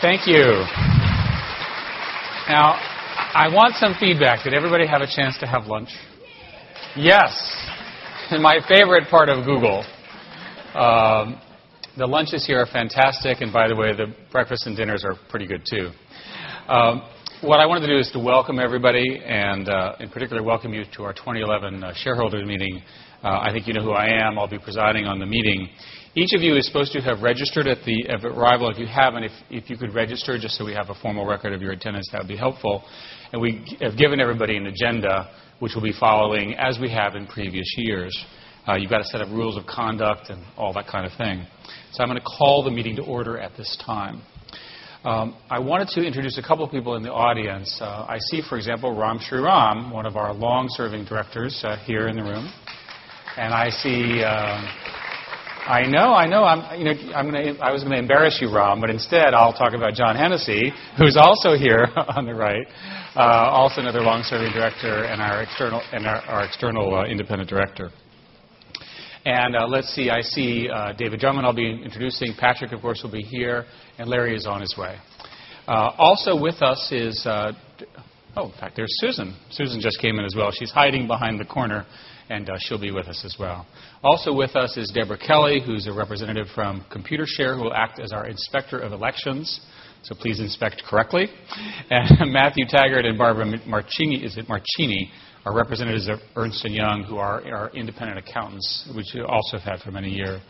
Thank you. Now, I want some feedback. Did everybody have a chance to have lunch? Yes. My favorite part of Google, the lunches here are fantastic. By the way, the breakfasts and dinners are pretty good, too. What I wanted to do is to welcome everybody, and in particular, welcome you to our 2011 shareholders meeting. I think you know who I am. I'll be presiding on the meeting. Each of you is supposed to have registered at the arrival. If you haven't, if you could register just so we have a formal record of your attendance, that would be helpful. We have given everybody an agenda, which we'll be following, as we have in previous years. You've got a set of rules of conduct and all that kind of thing. I'm going to call the meeting to order at this time. I wanted to introduce a couple of people in the audience. I see, for example, Ram Shriram, one of our long-serving directors here in the room. I know, I know. I was going to embarrass you, Ram. Instead, I'll talk about John Hennessy, who's also here on the right, also another long-serving director and our external independent director. Let's see. I see David Drummond. I'll be introducing. Patrick, of course, will be here. Larry is on his way. Also with us is, oh, in fact, there's Susan. Susan just came in as well. She's hiding behind the corner. She'll be with us as well. Also with us is Deborah Kelly, who's a representative from Computershare, who will act as our inspector of elections. Please inspect correctly. Matthew Taggart and Barbara Marcini are representatives of Ernst & Young, who are our independent accountants, which you also have had for many years.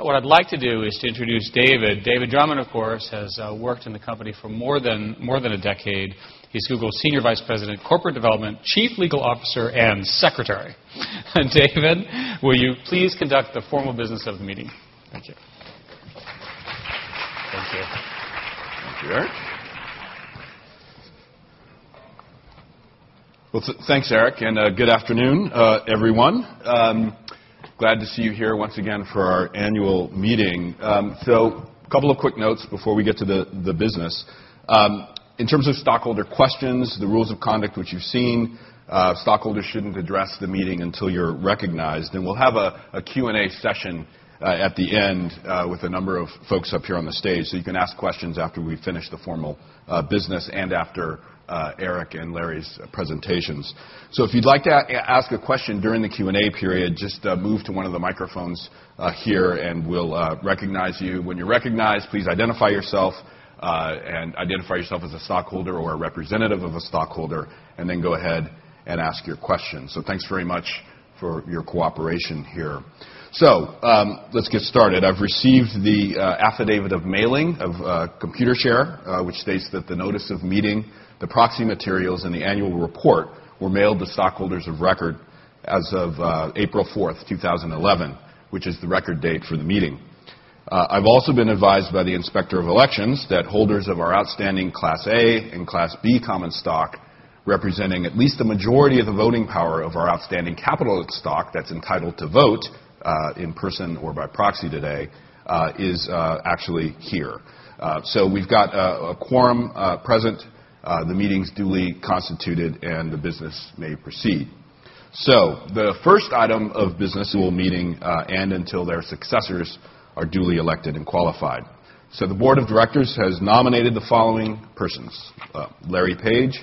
What I'd like to do is to introduce David. David Drummond, of course, has worked in the company for more than a decade. He's Google's Senior Vice President, Corporate Development, Chief Legal Officer, and Secretary. David, will you please conduct the formal business of the meeting? Thank you. Thanks Eric. Thanks, Eric. Good afternoon, everyone. Glad to see you here once again for our annual meeting. A couple of quick notes before we get to the business. In terms of stockholder questions, the rules of conduct which you've seen, stockholders shouldn't address the meeting until you're recognized. We'll have a Q&A session at the end with a number of folks up here on the stage. You can ask questions after we finish the formal business and after Eric and Larry's presentations. If you'd like to ask a question during the Q&A period, just move to one of the microphones here, and we'll recognize you. When you're recognized, please identify yourself and identify yourself as a stockholder or a representative of a stockholder, and then go ahead and ask your question. Thank you very much for your cooperation here. Let's get started. I've received the affidavit of mailing of Computershare, which states that the notice of meeting, the proxy materials, and the annual report were mailed to stockholders of record as of April 4th, 2011, which is the record date for the meeting. I've also been advised by the inspector of elections that holders of our outstanding Class A and Class B common stock, representing at least the majority of the voting power of our outstanding capital stock that's entitled to vote in person or by proxy today, is actually here. We've got a quorum present. The meeting's duly constituted, and the business may proceed. The first item of business: meeting and until their successors are duly elected and qualified. The board of directors has nominated the following persons: Larry Page,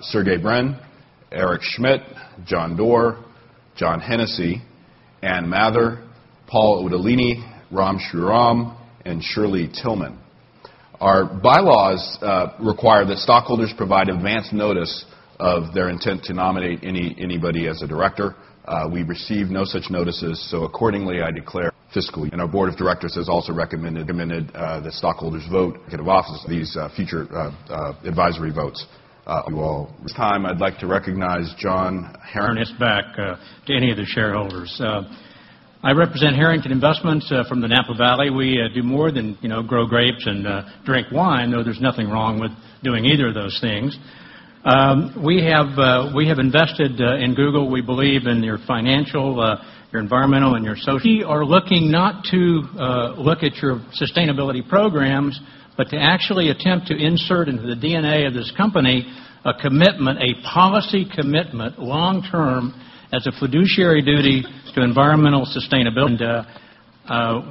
Sergey Brin, Eric Schmidt, John Doerr, John Hennessy, Ann Mather, Paul Otellini, Ram Shriram, and Shirley Tilghman. Our bylaws require that stockholders provide advance notice of their intent to nominate anybody as a director. We received no such notices. Accordingly, I declare fiscal. Our board of directors has also recommended that stockholders vote to get of office these future advisory votes. I'll move on time, I'd like to recognize John Harrington. It's back to any of the shareholders. I represent Harrington Investments from the Napa Valley. We do more than grow grapes and drink wine, though there's nothing wrong with doing either of those things. We have invested in Google. We believe in your financial, your environmental, and your social. We are looking not to look at your sustainability programs, but to actually attempt to insert into the DNA of this company a commitment, a policy commitment long term as a fiduciary duty to environmental sustainability.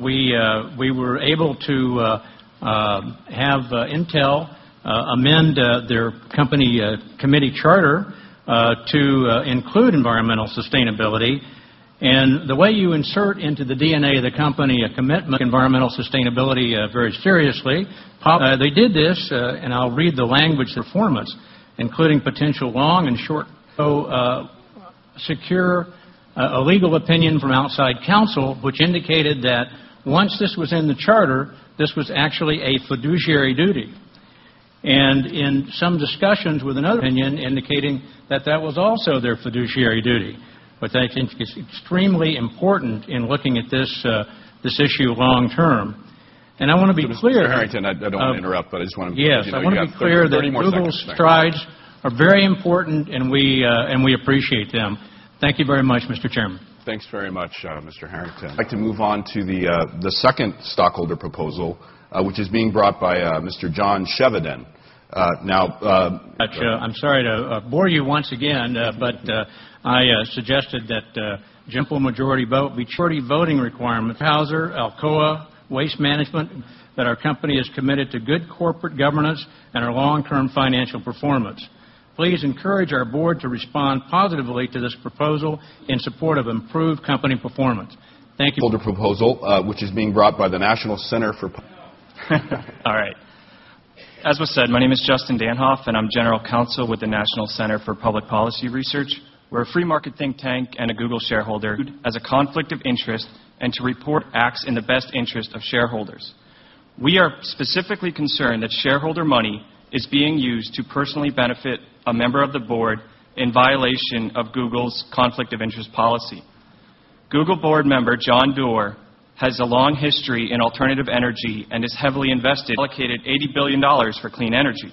We were able to have Intel amend their company committee charter to include environmental sustainability. The way you insert into the DNA of the company a commitment to environmental sustainability very seriously, they did this. I'll read the language. Performance, including potential long and short. Secure a legal opinion from outside counsel, which indicated that once this was in the charter, this was actually a fiduciary duty. In some discussions with another opinion indicating that that was also their fiduciary duty, which I think is extremely important in looking at this issue long term. I want to be clear. Harrington, I don't want to interrupt, but I just wanted to. Yes, I want to be clear that Google's strides are very important. We appreciate them. Thank you very much, Mr. Chairman. Thanks very much, Mr. Harrington. I'd like to move on to the second stockholder proposal, which is being brought by Mr. John Shevdan now. I'm sorry to bore you once again. I suggested a simple majority voting requirement. Houser, Alcoa, Waste Management, that our company is committed to good corporate governance and our long-term financial performance. Please encourage our board to respond positively to this proposal in support of improved company performance. Thank you. Proposal, which is being brought by the National Center for. All right. As was said, my name is Justin Danhoff. I'm General Counsel with the National Center for Public Policy Research. We're a free market think tank and a Google shareholder. As a conflict of interest and to report acts in the best interest of shareholders, we are specifically concerned that shareholder money is being used to personally benefit a member of the board in violation of Google's conflict of interest policy. Google board member John Doerr has a long history in alternative energy and is heavily invested. He allocated $80 billion for clean energy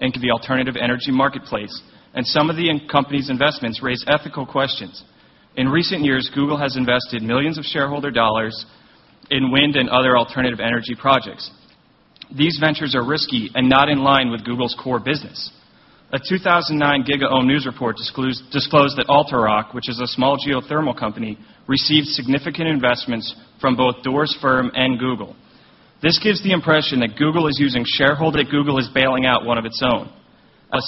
and the alternative energy marketplace, and some of the company's investments raise ethical questions. In recent years, Google has invested millions of shareholder dollars in wind and other alternative energy projects. These ventures are risky and not in line with Google's core business. A 2009 GigaOm News report disclosed that AltaRock, which is a small geothermal company, received significant investments from both Doerr's firm and Google. This gives the impression that Google is using shareholder money. Google is bailing out one of its own.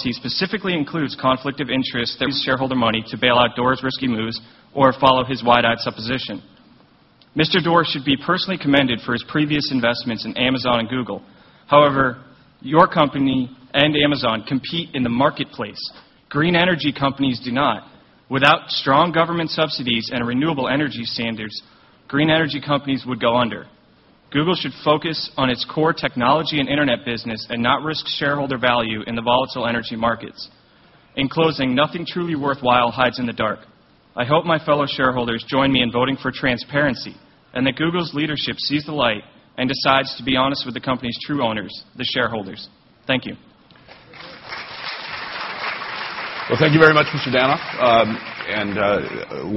He specifically includes conflict of interest that his shareholder money to bail out Doerr's risky moves or follow his wide-eyed supposition. Mr. Doerr should be personally commended for his previous investments in Amazon and Google. However, your company and Amazon compete in the marketplace. Green energy companies do not. Without strong government subsidies and renewable energy standards, green energy companies would go under. Google should focus on its core technology and Internet business and not risk shareholder value in the volatile energy markets. In closing, nothing truly worthwhile hides in the dark. I hope my fellow shareholders join me in voting for transparency and that Google's leadership sees the light and decides to be honest with the company's true owners, the shareholders. Thank you. Thank you very much, Mr. Danhoff.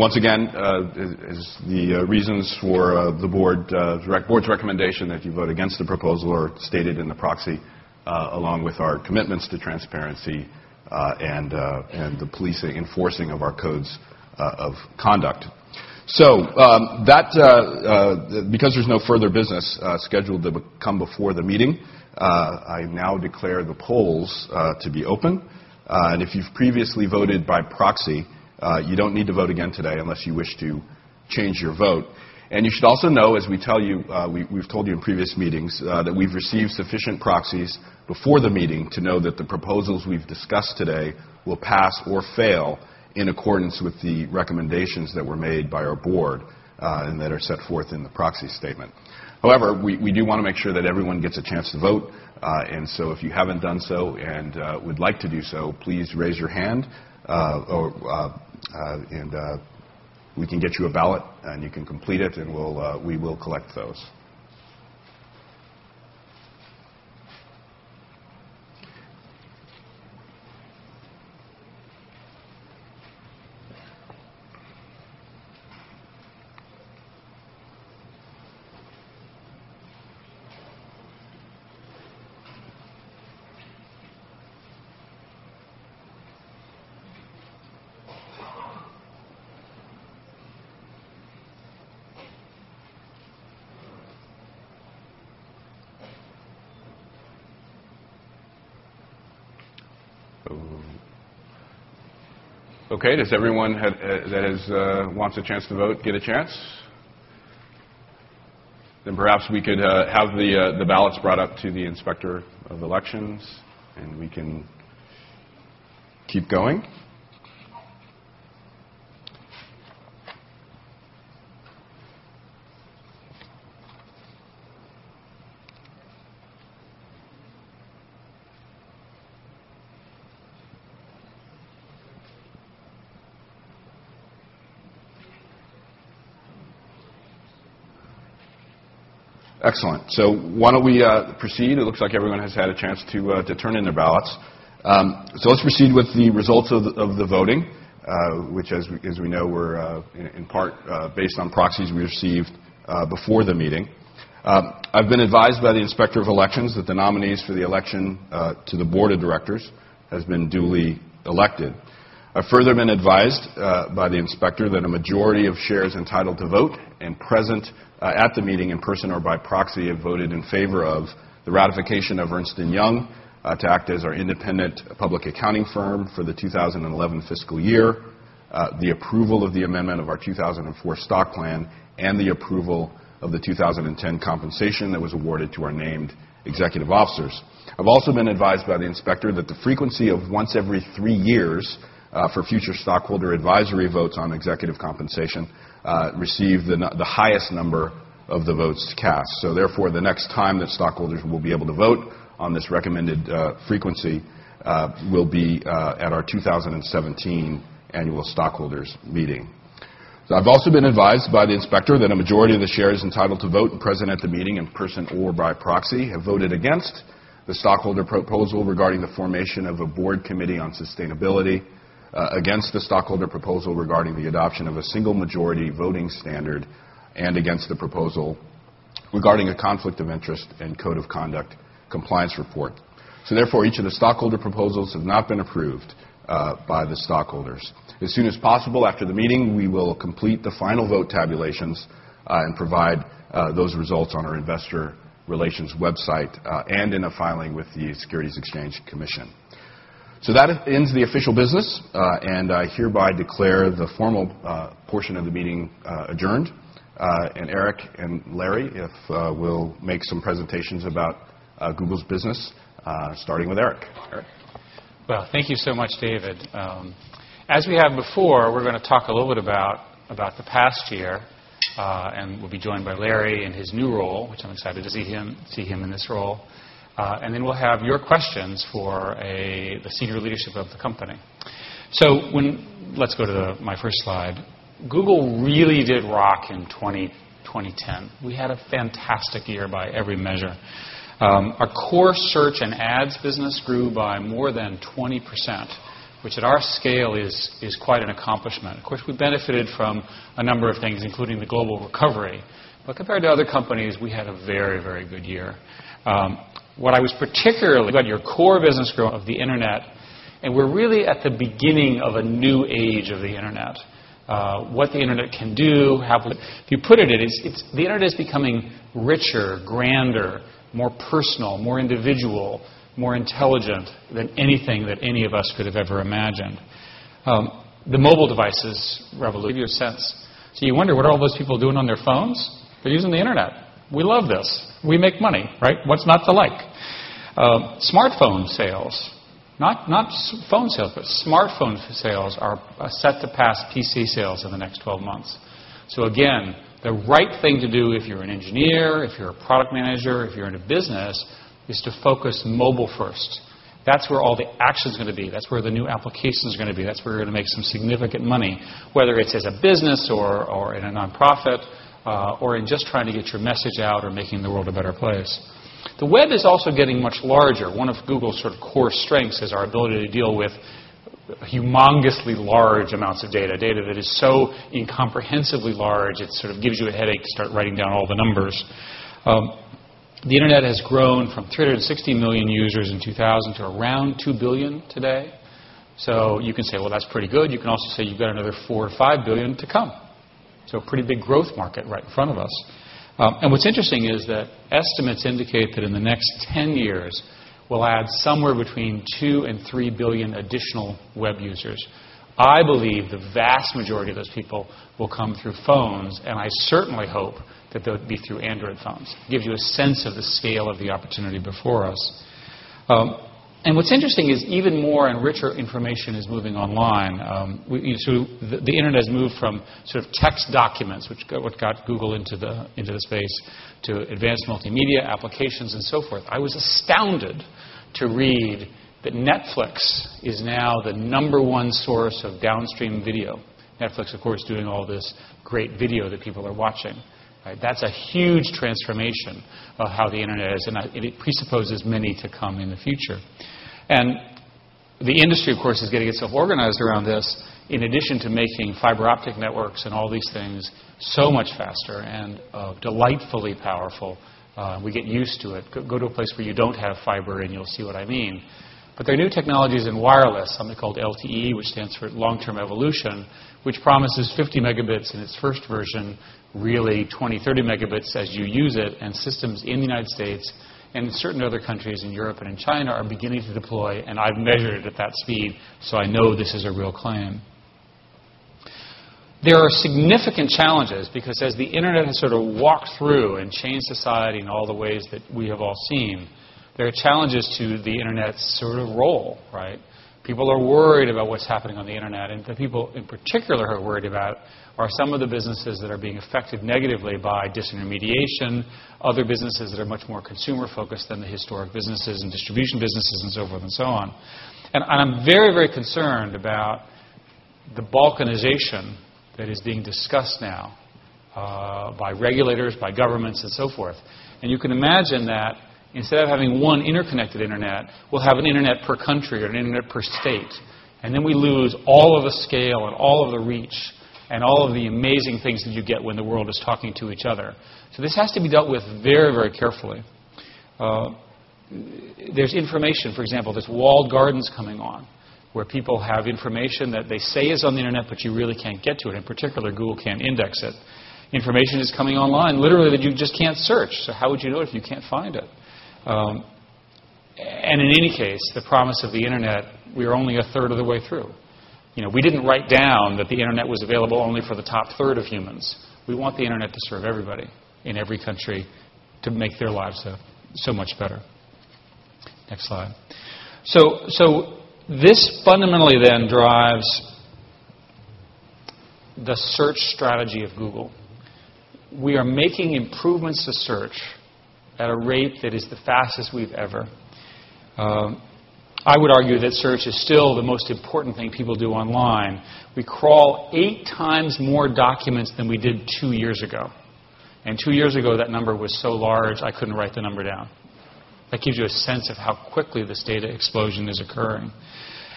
The reasons for the board's recommendation that you vote against the proposal are stated in the proxy, along with our commitments to transparency and the police enforcing of our codes of conduct. Because there's no further business scheduled to come before the meeting, I now declare the polls to be open. If you've previously voted by proxy, you don't need to vote again today unless you wish to change your vote. You should also know, as we tell you, we've told you in previous meetings, that we've received sufficient proxies before the meeting to know that the proposals we've discussed today will pass or fail in accordance with the recommendations that were made by our board and that are set forth in the proxy statement. We do want to make sure that everyone gets a chance to vote. If you haven't done so and would like to do so, please raise your hand. We can get you a ballot, and you can complete it, and we will collect those. Ok. Does everyone that wants a chance to vote get a chance? Perhaps we could have the ballots brought up to the inspector of elections, and we can keep going. Excellent. Why don't we proceed? It looks like everyone has had a chance to turn in their ballots. Let's proceed with the results of the voting, which, as we know, were in part based on proxies we received before the meeting. I've been advised by the inspector of elections that the nominees for the election to the board of directors have been duly elected. I've further been advised by the inspector that a majority of shares entitled to vote and present at the meeting in person or by proxy have voted in favor of the ratification of Ernst & Young to act as our independent public accounting firm for the 2011 fiscal year, the approval of the amendment of our 2004 stock plan, and the approval of the 2010 compensation that was awarded to our named executive officers. I've also been advised by the inspector that the frequency of once every three years for future stockholder advisory votes on executive compensation receives the highest number of the votes cast. Therefore, the next time that stockholders will be able to vote on this recommended frequency will be at our 2017 annual stockholders meeting. I have also been advised by the inspector that a majority of the shares entitled to vote and present at the meeting in person or by proxy have voted against the stockholder proposal regarding the formation of a board committee on sustainability, against the stockholder proposal regarding the adoption of a single majority voting standard, and against the proposal regarding a conflict of interest and code of conduct compliance report. Therefore, each of the stockholder proposals has not been approved by the stockholders. As soon as possible after the meeting, we will complete the final vote tabulations and provide those results on our investor relations website and in a filing with the Securities Exchange Commission. That ends the official business. I hereby declare the formal portion of the meeting adjourned. Eric and Larry will make some presentations about Google's business, starting with Eric. Thank you so much, David. As we have before, we're going to talk a little bit about the past year. We'll be joined by Larry in his new role, which I'm excited to see him in this role. Then we'll have your questions for the senior leadership of the company. Let's go to my first slide. Google really did rock in 2010. We had a fantastic year by every measure. Our core search and ads business grew by more than 20%, which at our scale is quite an accomplishment. Of course, we benefited from a number of things, including the global recovery. Compared to other companies, we had a very, very good year. What I was particularly about your core business growth of the Internet, and we're really at the beginning of a new age of the Internet. What the Internet can do, how if you put it, the Internet is becoming richer, grander, more personal, more individual, more intelligent than anything that any of us could have ever imagined. The mobile devices revolution gave you a sense. You wonder, what are all those people doing on their phones? They're using the Internet. We love this. We make money, right? What's not to like? Smartphone sales, not phone sales, but smartphone sales are set to pass PC sales in the next 12 months. The right thing to do if you're an engineer, if you're a product manager, if you're in a business, is to focus mobile first. That's where all the action is going to be. That's where the new applications are going to be. That's where you're going to make some significant money, whether it's as a business or in a nonprofit or in just trying to get your message out or making the world a better place. The web is also getting much larger. One of Google's sort of core strengths is our ability to deal with humongously large amounts of data, data that is so incomprehensibly large, it sort of gives you a headache to start writing down all the numbers. The Internet has grown from 360 million users in 2000 to around 2 billion today. You can say, that's pretty good. You can also say you've got another 4 or 5 billion to come. A pretty big growth market right in front of us. What's interesting is that estimates indicate that in the next 10 years, we'll add somewhere between 2 and 3 billion additional web users. I believe the vast majority of those people will come through phones. I certainly hope that they'll be through Android phones. It gives you a sense of the scale of the opportunity before us. What's interesting is even more and richer information is moving online. The Internet has moved from sort of text documents, which got Google into the space, to advanced multimedia applications and so forth. I was astounded to read that Netflix is now the number one source of downstream video. Netflix, of course, doing all this great video that people are watching. That's a huge transformation of how the Internet is. It presupposes many to come in the future. The industry, of course, is getting itself organized around this, in addition to making fiber optic networks and all these things so much faster and delightfully powerful. We get used to it. Go to a place where you don't have fiber, and you'll see what I mean. There are new technologies in wireless, something called LTE, which stands for long-term evolution, which promises 50 Mb in its first version, really 20 Mb, 30 Mb as you use it. Systems in the United States and certain other countries in Europe and in China are beginning to deploy. I've measured it at that speed. I know this is a real claim. There are significant challenges because as the Internet has sort of walked through and changed society in all the ways that we have all seen, there are challenges to the Internet's sort of role. People are worried about what's happening on the Internet. The people in particular who are worried about are some of the businesses that are being affected negatively by disintermediation, other businesses that are much more consumer-focused than the historic businesses and distribution businesses, and so forth and so on. I'm very, very concerned about the balkanization that is being discussed now by regulators, by governments, and so forth. You can imagine that instead of having one interconnected Internet, we'll have an Internet per country or an Internet per state. We lose all of the scale and all of the reach and all of the amazing things that you get when the world is talking to each other. This has to be dealt with very, very carefully. There's information, for example, this walled gardens coming on, where people have information that they say is on the Internet, but you really can't get to it. In particular, Google can't index it. Information is coming online literally that you just can't search. How would you know if you can't find it? In any case, the promise of the Internet, we are only a third of the way through. We didn't write down that the Internet was available only for the top third of humans. We want the Internet to serve everybody in every country to make their lives so much better. Next slide. This fundamentally then drives the search strategy of Google. We are making improvements to search at a rate that is the fastest we've ever. I would argue that search is still the most important thing people do online. We crawl 8x more documents than we did two years ago. Two years ago, that number was so large, I couldn't write the number down. That gives you a sense of how quickly this data explosion is occurring.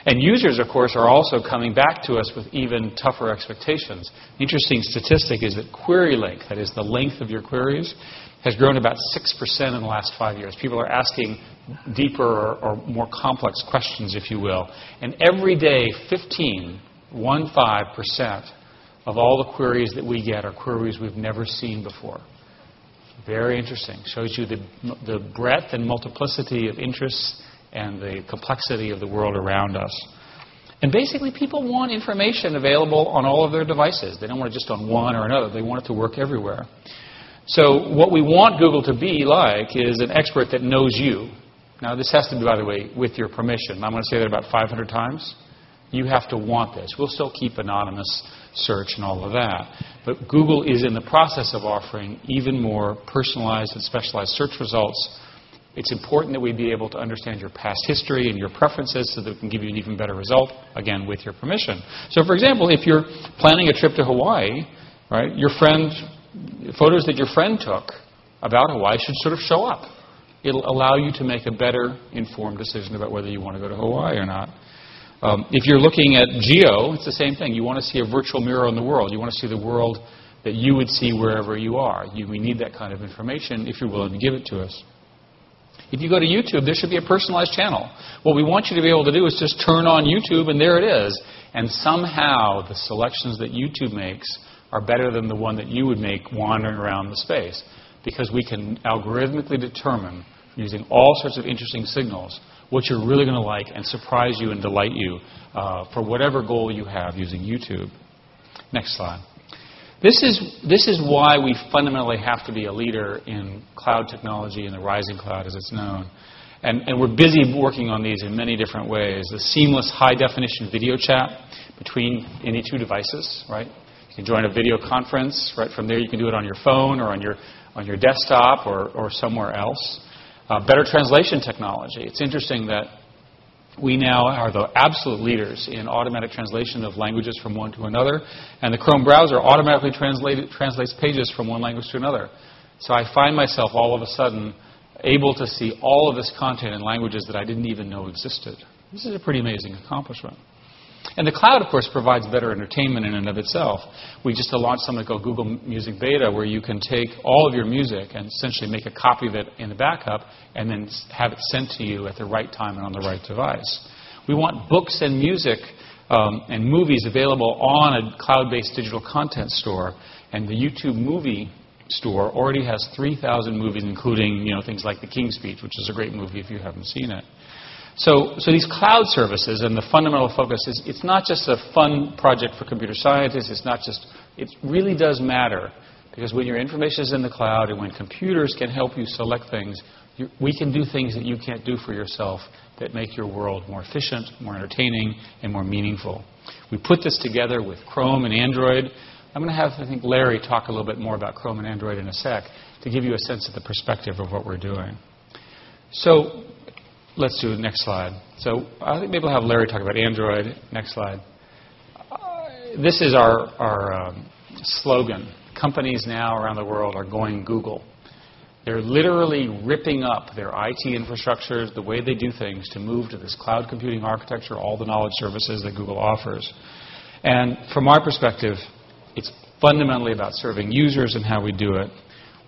Users, of course, are also coming back to us with even tougher expectations. An interesting statistic is that query length, that is the length of your queries, has grown about 6% in the last five years. People are asking deeper or more complex questions, if you will. Every day, 15% of all the queries that we get are queries we've never seen before. Very interesting. Shows you the breadth and multiplicity of interests and the complexity of the world around us. Basically, people want information available on all of their devices. They don't want it just on one or another. They want it to work everywhere. What we want Google to be like is an expert that knows you. This has to be, by the way, with your permission. I'm going to say that about 500x. You have to want this. We'll still keep anonymous search and all of that. Google is in the process of offering even more personalized and specialized search results. It's important that we be able to understand your past history and your preferences so that we can give you an even better result, again, with your permission. For example, if you're planning a trip to Hawaii, photos that your friend took about Hawaii should sort of show up. It'll allow you to make a better informed decision about whether you want to go to Hawaii or not. If you're looking at geo, it's the same thing. You want to see a virtual mirror on the world. You want to see the world that you would see wherever you are. We need that kind of information if you're willing to give it to us. If you go to YouTube, there should be a personalized channel. What we want you to be able to do is just turn on YouTube, and there it is. Somehow, the selections that YouTube makes are better than the one that you would make wandering around the space because we can algorithmically determine, using all sorts of interesting signals, what you're really going to like and surprise you and delight you for whatever goal you have using YouTube. Next slide. This is why we fundamentally have to be a leader in cloud technology and the rising cloud, as it's known. We're busy working on these in many different ways. The seamless high-definition video chat between any two devices. You can join a video conference. From there, you can do it on your phone or on your desktop or somewhere else. Better translation technology. It's interesting that we now are the absolute leaders in automatic translation of languages from one to another. The Chrome browser automatically translates pages from one language to another. I find myself all of a sudden able to see all of this content in languages that I didn't even know existed. This is a pretty amazing accomplishment. The cloud, of course, provides better entertainment in and of itself. We just launched something called Google Music Beta, where you can take all of your music and essentially make a copy of it in a backup and then have it sent to you at the right time and on the right device. We want books and music and movies available on a cloud-based digital content store. The YouTube Movie Store already has 3,000 movies, including things like The King's Speech, which is a great movie if you haven't seen it. These cloud services and the fundamental focus is it's not just a fun project for computer scientists. It really does matter because when your information is in the cloud and when computers can help you select things, we can do things that you can't do for yourself that make your world more efficient, more entertaining, and more meaningful. We put this together with Chrome and Android. I'm going to have, I think, Larry talk a little bit more about Chrome and Android in a sec to give you a sense of the perspective of what we're doing. Let's do the next slide. I think maybe I'll have Larry talk about Android. Next slide. This is our slogan. Companies now around the world are going Google. They're literally ripping up their IT infrastructures, the way they do things, to move to this cloud computing architecture, all the knowledge services that Google offers. From our perspective, it's fundamentally about serving users and how we do it.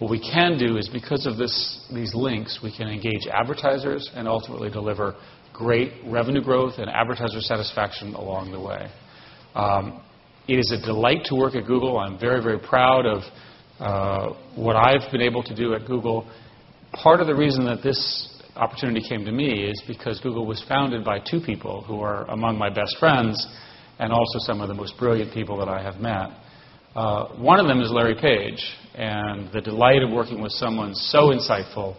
What we can do is because of these links, we can engage advertisers and ultimately deliver great revenue growth and advertiser satisfaction along the way. It is a delight to work at Google. I'm very, very proud of what I've been able to do at Google. Part of the reason that this opportunity came to me is because Google was founded by two people who are among my best friends and also some of the most brilliant people that I have met. One of them is Larry Page. The delight of working with someone so insightful,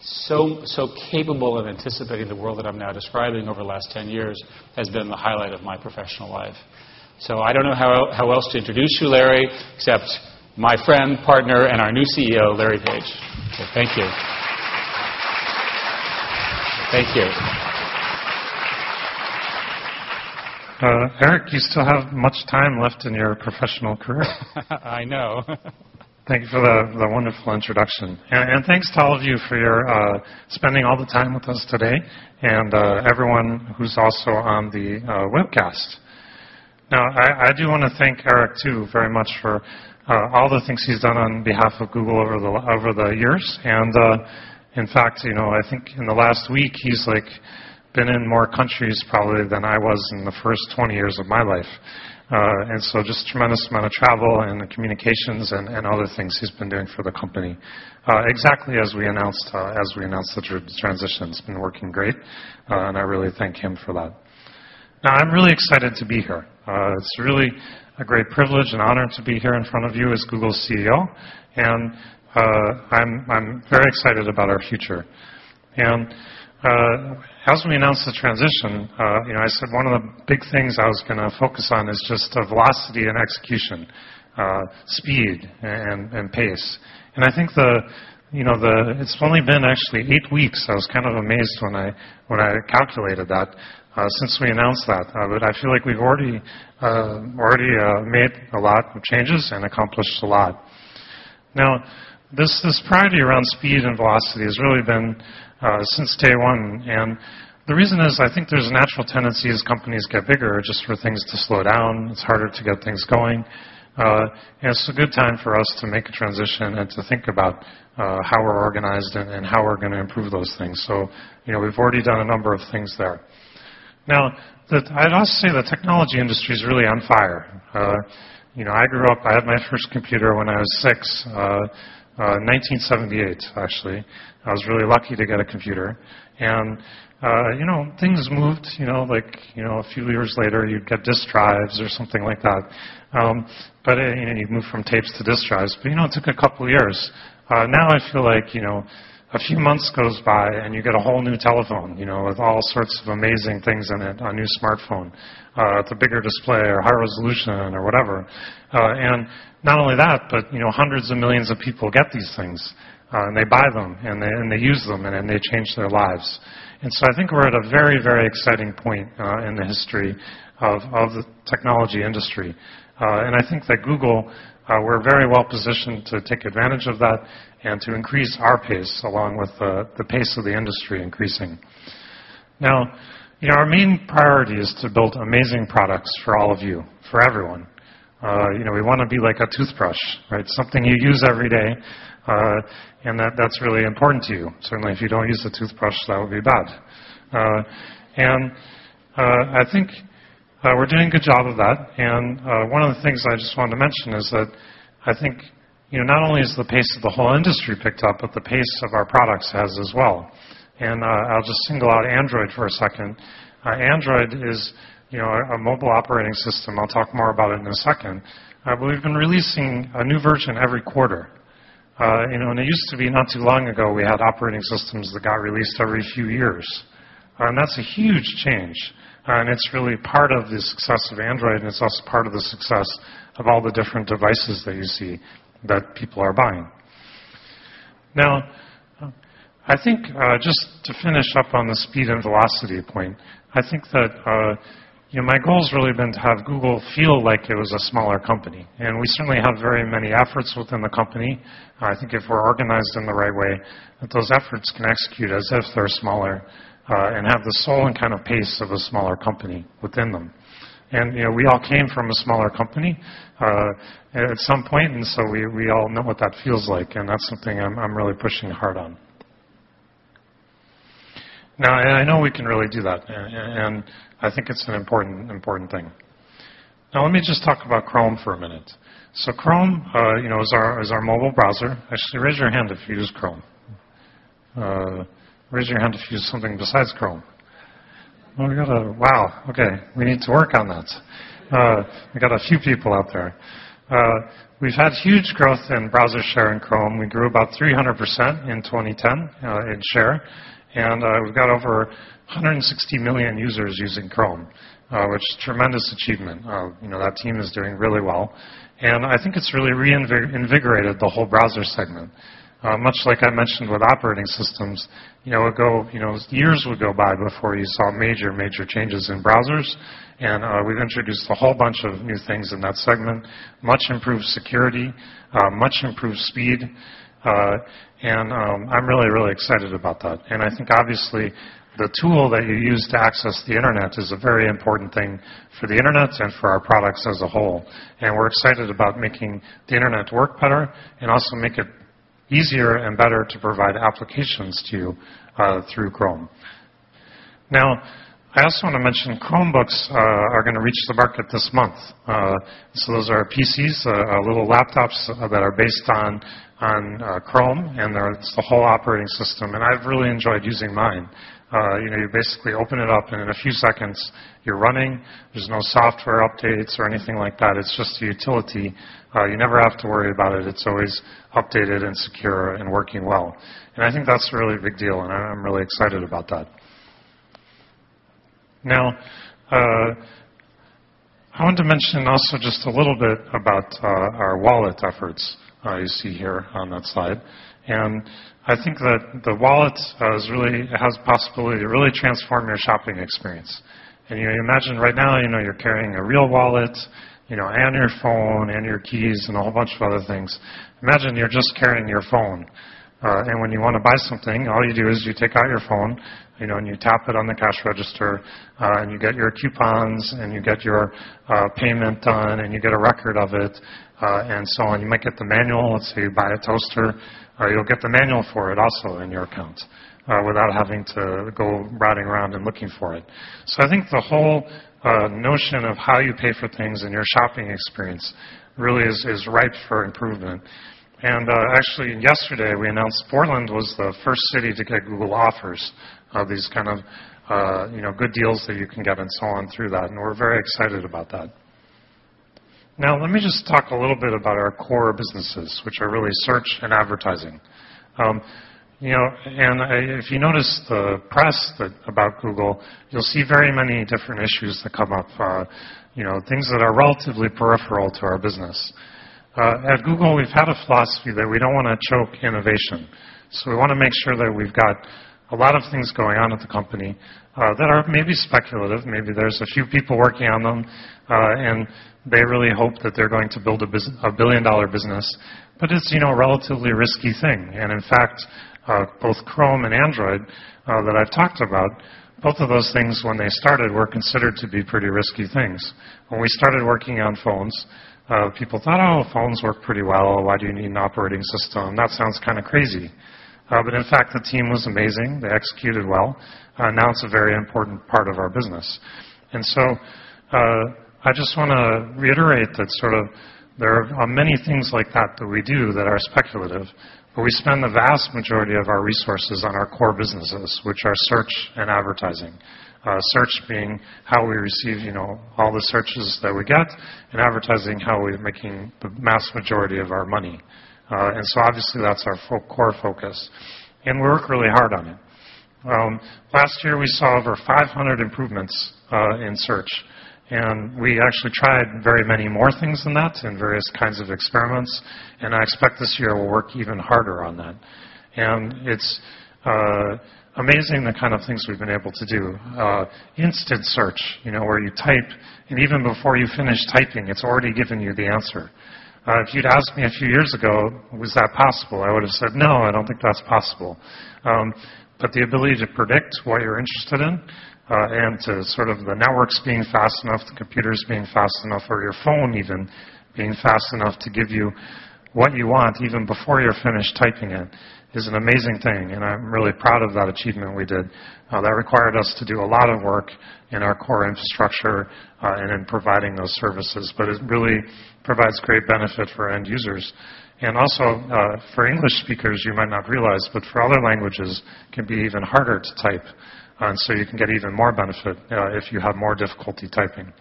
so capable of anticipating the world that I'm now describing over the last 10 years has been the highlight of my professional life. I don't know how else to introduce you, Larry, except my friend, partner, and our new CEO, Larry Page. Thank you. Thank you. Eric, you still have much time left in your professional career. I know. Thank you for the wonderful introduction. Thanks to all of you for spending all the time with us today and everyone who's also on the webcast. I do want to thank Eric, too, very much for all the things he's done on behalf of Google over the years. In fact, I think in the last week, he's been in more countries probably than I was in the first 20 years of my life. Just a tremendous amount of travel and communications and other things he's been doing for the company. Exactly as we announced such a transition, it's been working great. I really thank him for that. I'm really excited to be here. It's really a great privilege and honor to be here in front of you as Google's CEO. I'm very excited about our future. As we announced the transition, I said one of the big things I was going to focus on is just the velocity and execution, speed, and pace. I think it's only been actually eight weeks. I was kind of amazed when I calculated that since we announced that. I feel like we've already made a lot of changes and accomplished a lot. This priority around speed and velocity has really been since day one. The reason is I think there's a natural tendency as companies get bigger just for things to slow down. It's harder to get things going. It's a good time for us to make a transition and to think about how we're organized and how we're going to improve those things. We've already done a number of things there. I'd also say the technology industry is really on fire. I grew up. I had my first computer when I was six, 1978, actually. I was really lucky to get a computer. Things moved. Like a few years later, you get disk drives or something like that. You move from tapes to disk drives, but it took a couple of years. Now, I feel like a few months goes by and you get a whole new telephone with all sorts of amazing things in it, a new smartphone with a bigger display or high resolution or whatever. Not only that, but hundreds of millions of people get these things. They buy them. They use them. They change their lives. I think we're at a very, very exciting point in the history of the technology industry. I think that Google, we're very well positioned to take advantage of that and to increase our pace along with the pace of the industry increasing. Our main priority is to build amazing products for all of you, for everyone. We want to be like a toothbrush, something you use every day. That's really important to you. Certainly, if you don't use a toothbrush, that would be bad. I think we're doing a good job of that. One of the things I just wanted to mention is that I think not only has the pace of the whole industry picked up, but the pace of our products has as well. I'll just single out Android for a second. Android is a mobile operating system. I'll talk more about it in a second. We've been releasing a new version every quarter. It used to be not too long ago, we had operating systems that got released every few years. That's a huge change. It's really part of the success of Android. It's also part of the success of all the different devices that you see that people are buying. Now, I think just to finish up on the speed and velocity point, my goal has really been to have Google feel like it was a smaller company. We certainly have very many efforts within the company. I think if we're organized in the right way, those efforts can execute as if they're smaller and have the solemn kind of pace of a smaller company within them. We all came from a smaller company at some point, so we all know what that feels like. That's something I'm really pushing hard on. I know we can really do that. I think it's an important thing. Now, let me just talk about Chrome for a minute. Chrome is our mobile browser. Actually, raise your hand if you use Chrome. Raise your hand if you use something besides Chrome. Wow. OK. We need to work on that. We got a few people out there. We've had huge growth in browser share in Chrome. We grew about 300% in 2010 in share. We've got over 160 million users using Chrome, which is a tremendous achievement. That team is doing really well. I think it's really reinvigorated the whole browser segment. Much like I mentioned with operating systems, years would go by before you saw major, major changes in browsers. We've introduced a whole bunch of new things in that segment, much improved security, much improved speed. I'm really, really excited about that. I think obviously the tool that you use to access the Internet is a very important thing for the Internet and for our products as a whole. We're excited about making the Internet work better and also make it easier and better to provide applications to you through Chrome. Now, I also want to mention Chromebooks are going to reach the market this month. Those are PCs, little laptops that are based on Chrome, and it's the whole operating system. I've really enjoyed using mine. You basically open it up, and in a few seconds, you're running. There's no software updates or anything like that. It's just a utility. You never have to worry about it. It's always updated and secure and working well. I think that's a really big deal, and I'm really excited about that. I want to mention also just a little bit about our wallet efforts you see here on that slide. I think that the wallets really have the possibility to really transform your shopping experience. You imagine right now, you're carrying a real wallet and your phone and your keys and a whole bunch of other things. Imagine you're just carrying your phone, and when you want to buy something, all you do is you take out your phone, and you tap it on the cash register, and you get your coupons, and you get your payment done, and you get a record of it and so on. You might get the manual. Let's say you buy a toaster, or you'll get the manual for it also in your account without having to go routing around and looking for it. I think the whole notion of how you pay for things in your shopping experience really is ripe for improvement. Actually, yesterday, we announced Portland was the first city to get Google offers of these kind of good deals that you can get and so on through that, and we're very excited about that. Let me just talk a little bit about our core businesses, which are really search and advertising. If you notice the press about Google, you'll see very many different issues that come up, things that are relatively peripheral to our business. At Google, we've had a philosophy that we don't want to choke innovation. We want to make sure that we've got a lot of things going on at the company that are maybe speculative. Maybe there's a few people working on them, and they really hope that they're going to build a billion-dollar business, but it's a relatively risky thing. In fact, both Chrome and Android that I've talked about, both of those things, when they started, were considered to be pretty risky things. When we started working on phones, people thought, oh, phones work pretty well. Why do you need an operating system? That sounds kind of crazy, but in fact, the team was amazing. They executed well. Now, it's a very important part of our business. I just want to reiterate that there are many things like that that we do that are speculative. We spend the vast majority of our resources on our core businesses, which are search and advertising, search being how we receive all the searches that we get and advertising how we're making the vast majority of our money. Obviously, that's our core focus. We work really hard on it. Last year, we saw over 500 improvements in search. We actually tried very many more things than that in various kinds of experiments. I expect this year we'll work even harder on that. It's amazing the kind of things we've been able to do. Instant search, where you type, and even before you finish typing, it's already giving you the answer. If you'd asked me a few years ago, was that possible? I would have said, no, I don't think that's possible. The ability to predict what you're interested in and the networks being fast enough, the computers being fast enough, or your phone even being fast enough to give you what you want even before you're finished typing it is an amazing thing. I'm really proud of that achievement we did. That required us to do a lot of work in our core infrastructure and in providing those services. It really provides great benefit for end users. Also, for English speakers, you might not realize, but for other languages, it can be even harder to type. You can get even more benefit if you have more difficulty typing.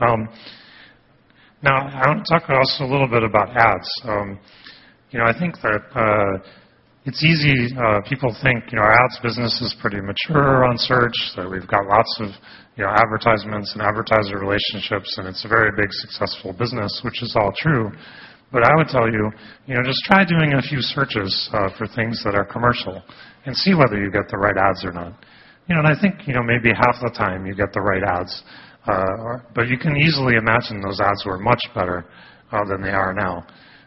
Now, I'll talk also a little bit about ads. I think that it's easy. People think our ads business is pretty mature on search, that we've got lots of advertisements and advertiser relationships. It's a very big successful business, which is all true. I would tell you, just try doing a few searches for things that are commercial and see whether you get the right ads or not. I think maybe half the time you get the right ads. You can easily imagine those ads were much better than they are now,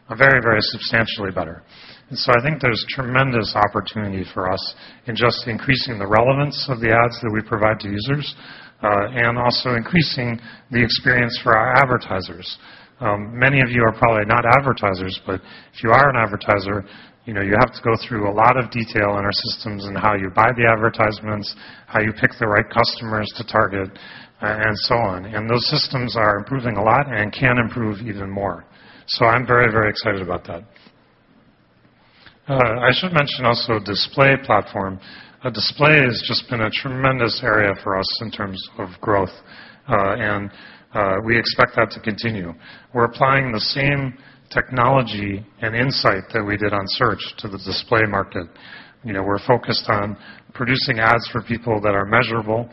very, very substantially better. I think there's tremendous opportunity for us in just increasing the relevance of the ads that we provide to users and also increasing the experience for our advertisers. Many of you are probably not advertisers. If you are an advertiser, you have to go through a lot of detail in our systems and how you buy the advertisements, how you pick the right customers to target, and so on. Those systems are improving a lot and can improve even more. I'm very, very excited about that. I should mention also display platform. Display has just been a tremendous area for us in terms of growth, and we expect that to continue. We're applying the same technology and insight that we did on search to the display market. We're focused on producing ads for people that are measurable,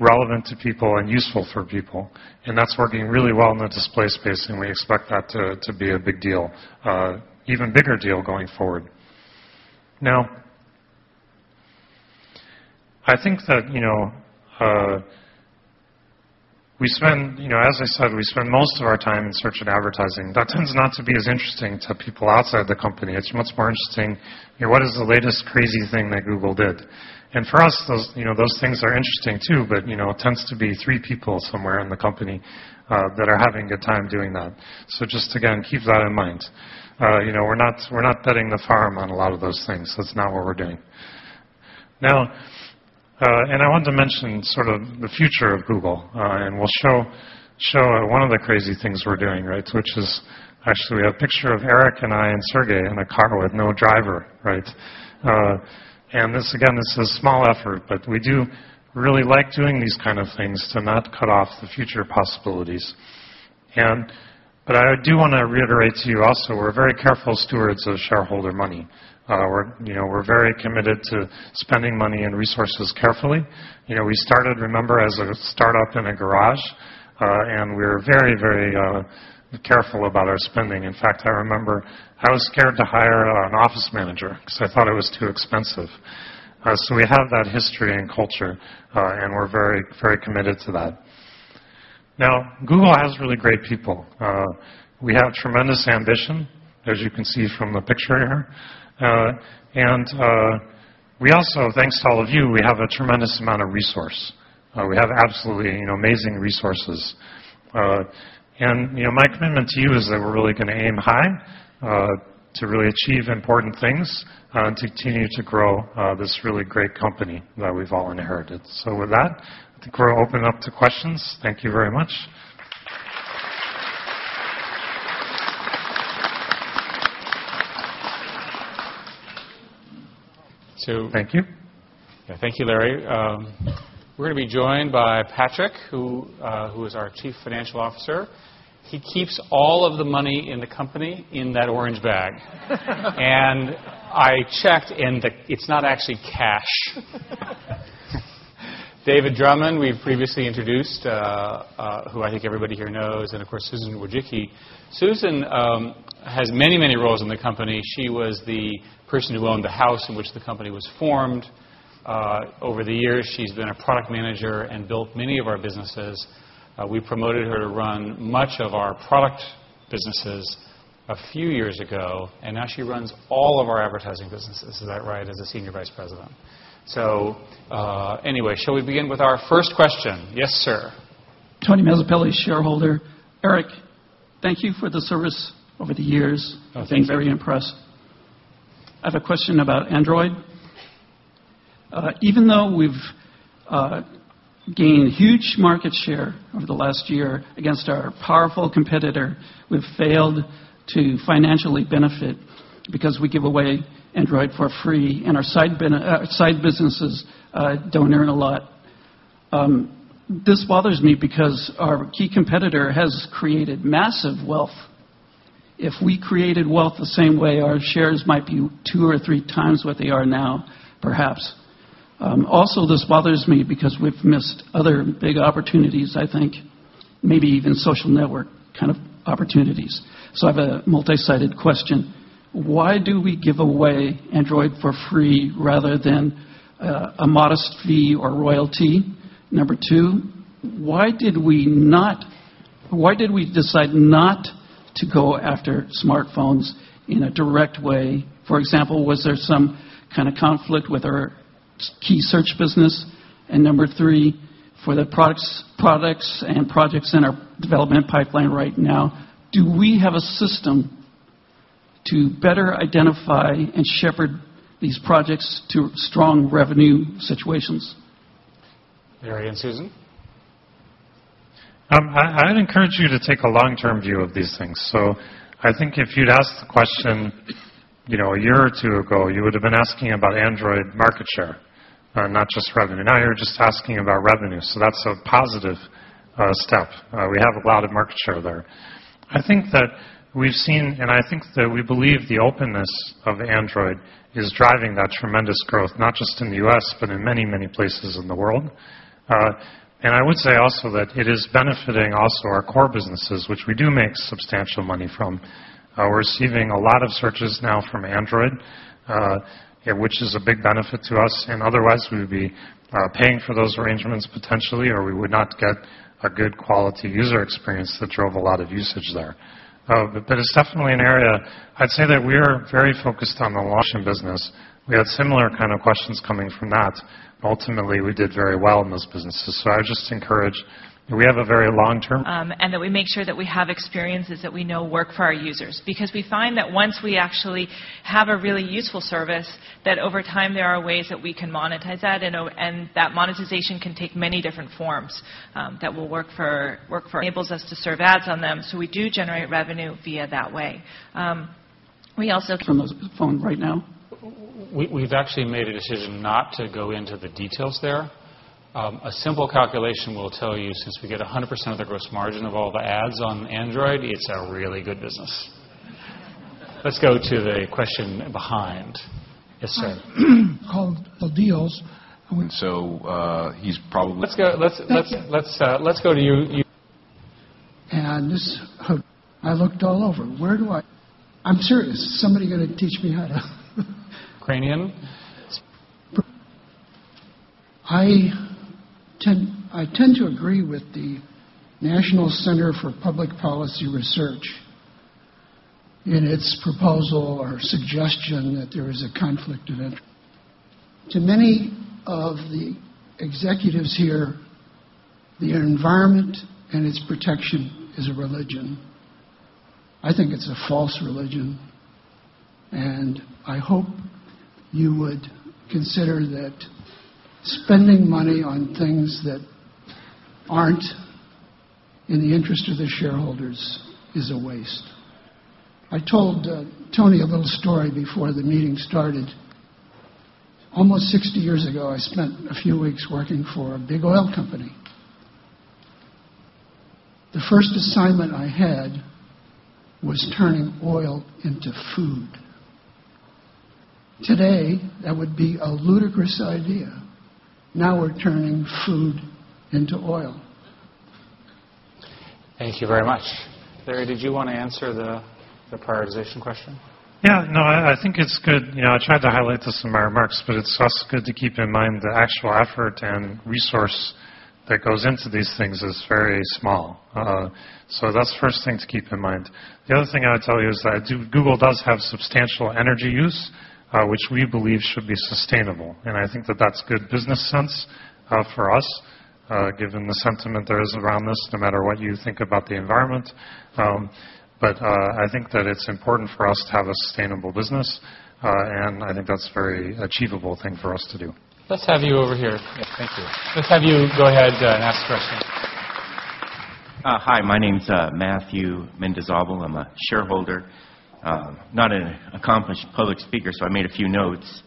relevant to people, and useful for people. That's working really well in the display space, and we expect that to be a big deal, an even bigger deal going forward. I think that we spend, as I said, we spend most of our time in search and advertising. That tends not to be as interesting to people outside the company. It's much more interesting, what is the latest crazy thing that Google did? For us, those things are interesting, too, but it tends to be three people somewhere in the company that are having a good time doing that. Just again, keep that in mind. We're not betting the farm on a lot of those things. That's not what we're doing. I wanted to mention sort of the future of Google, and we'll show one of the crazy things we're doing, which is actually we have a picture of Eric and I and Sergey in a car with no driver. This is a small effort, but we do really like doing these kind of things to not cut off the future possibilities. I do want to reiterate to you also, we're very careful stewards of shareholder money. We're very committed to spending money and resources carefully. We started, remember, as a startup in a garage, and we were very, very careful about our spending. In fact, I remember I was scared to hire an office manager because I thought it was too expensive. We have that history and culture, and we're very, very committed to that. Google has really great people. We have tremendous ambition, as you can see from the picture here. Thanks to all of you, we have a tremendous amount of resource. We have absolutely amazing resources, and my commitment to you is that we're really going to aim high to really achieve important things and to continue to grow this really great company that we've all inherited. With that, I think we're open up to questions. Thank you very much. Thank you. Thank you, Larry. We're going to be joined by Patrick, who is our Chief Financial Officer. He keeps all of the money in the company in that orange bag. I checked, and it's not actually cash. David Drummond, we've previously introduced, who I think everybody here knows, and of course, Susan Wojcicki. Susan has many, many roles in the company. She was the person who owned the house in which the company was formed. Over the years, she's been a product manager and built many of our businesses. We promoted her to run much of our product businesses a few years ago. Now she runs all of our advertising businesses, is that right, as a Senior Vice President? Shall we begin with our first question? Yes, sir. Tony Mazzapelli, shareholder. Eric, thank you for the service over the years. Oh, thank you. I'm very impressed. I have a question about Android. Even though we've gained huge market share over the last year against our powerful competitor, we've failed to financially benefit because we give away Android for free. Our side businesses don't earn a lot. This bothers me because our key competitor has created massive wealth. If we created wealth the same way, our shares might be two or three times what they are now, perhaps. Also, this bothers me because we've missed other big opportunities, I think, maybe even social network kind of opportunities. I have a multi-sided question. Why do we give away Android for free rather than a modest fee or royalty? Number two, why did we decide not to go after smartphones in a direct way? For example, was there some kind of conflict with our key search business? Number three, for the products and projects in our development pipeline right now, do we have a system to better identify and shepherd these projects to strong revenue situations? Larry and Susan. I'd encourage you to take a long-term view of these things. If you'd asked the question a year or two ago, you would have been asking about Android market share, not just revenue. Now you're just asking about revenue. That's a positive step. We have a lot of market share there. I think that we've seen, and I think that we believe the openness of Android is driving that tremendous growth, not just in the U.S., but in many, many places in the world. I would say also that it is benefiting also our core businesses, which we do make substantial money from. We're receiving a lot of searches now from Android, which is a big benefit to us. Otherwise, we would be paying for those arrangements potentially, or we would not get a good quality user experience that drove a lot of usage there. It's definitely an area I'd say that we are very focused on the washing business. We had similar kind of questions coming from that. Ultimately, we did very well in those businesses. I would just encourage we have a very long-term. We make sure that we have experiences that we know work for our users because we find that once we actually have a really useful service, over time there are ways that we can monetize that. That monetization can take many different forms that will work for us. It enables us to serve ads on them, so we do generate revenue via that way. We also. From a phone right now we've actually made a decision not to go into the details there. A simple calculation will tell you, since we get 100% of the gross margin of all the ads on Android, it's a really good business. Let's go to the question behind. Yes, sir. How. Deals. He's probably. Let's go to you. I looked all over. Where do I—I'm serious. Is somebody going to teach me how to? Cranian. I tend to agree with the National Center for Public Policy Research in its proposal or suggestion that there is a conflict of interest. To many of the executives here, the environment and its protection is a religion. I think it's a false religion. I hope you would consider that spending money on things that aren't in the interest of the shareholders is a waste. I told Tony a little story before the meeting started. Almost 60 years ago, I spent a few weeks working for a big oil company. The first assignment I had was turning oil into food. Today, that would be a ludicrous idea. Now we're turning food into oil. Thank you very much. Larry, did you want to answer the prioritization question? Yeah. No. I think it's good. I tried to highlight this in my remarks. It's also good to keep in mind the actual effort and resource that goes into these things is very small. That's the first thing to keep in mind. The other thing I would tell you is that Google does have substantial energy use, which we believe should be sustainable. I think that that's good business sense for us, given the sentiment there is around this, no matter what you think about the environment. I think that it's important for us to have a sustainable business. I think that's a very achievable thing for us to do. Let's have you over here. Thank you. Let's have you go ahead and ask the question. Hi. My name's Matthew Mendizabal. I'm a shareholder, not an accomplished public speaker. I made a few notes.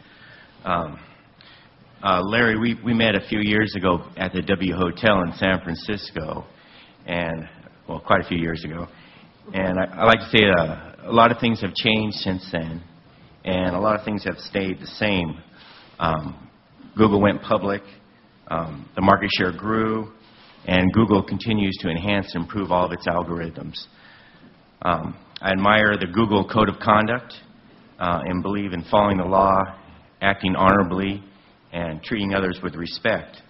Larry, we met a few years ago at the W Hotel in San Francisco, quite a few years ago. I like to say a lot of things have changed since then. A lot of things have stayed the same. Google went public. The market share grew. Google continues to enhance and improve all of its algorithms. I admire the Google code of conduct and believe in following the law, acting honorably, and treating others with respect.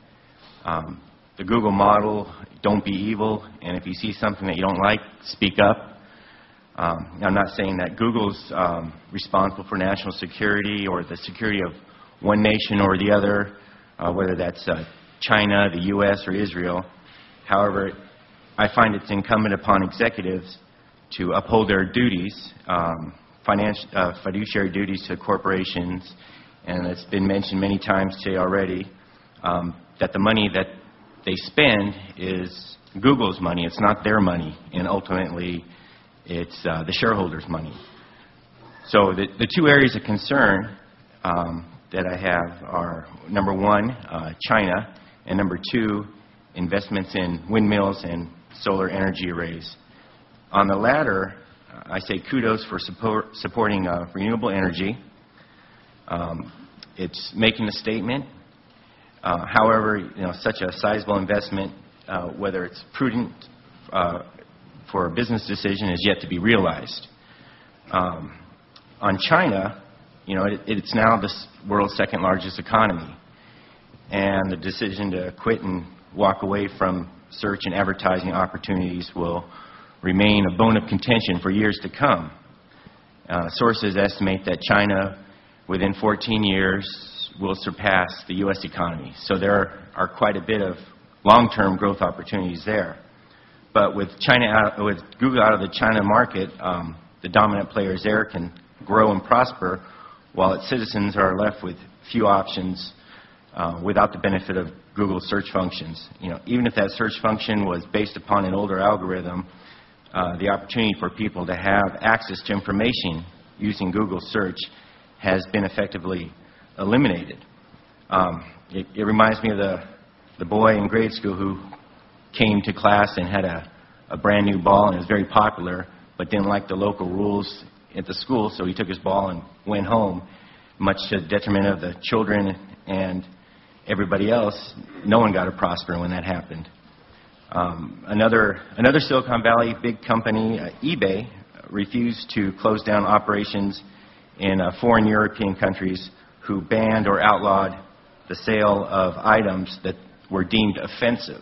The Google model, don't be evil. If you see something that you don't like, speak up. I'm not saying that Google's responsible for national security or the security of one nation or the other, whether that's China, the U.S., or Israel. However, I find it's incumbent upon executives to uphold their duties, fiduciary duties to corporations. It's been mentioned many times today already that the money that they spend is Google's money. It's not their money. Ultimately, it's the shareholders' money. The two areas of concern that I have are, number one, China, and number two, investments in windmills and solar energy arrays. On the latter, I say kudos for supporting renewable energy. It's making a statement. However, such a sizable investment, whether it's prudent for a business decision, is yet to be realized. On China, it's now the world's second largest economy. The decision to quit and walk away from search and advertising opportunities will remain a bone of contention for years to come. Sources estimate that China, within 14 years, will surpass the U.S. economy. There are quite a bit of long-term growth opportunities there. With Google out of the China market, the dominant players there can grow and prosper, while its citizens are left with few options without the benefit of Google Search functions. Even if that search function was based upon an older algorithm, the opportunity for people to have access to information using Google Search has been effectively eliminated. It reminds me of the boy in grade school who came to class and had a brand new ball and was very popular but didn't like the local rules at the school. He took his ball and went home, much to the detriment of the children and everybody else. No one got to prosper when that happened. Another Silicon Valley big company, eBay, refused to close down operations in foreign European countries who banned or outlawed the sale of items that were deemed offensive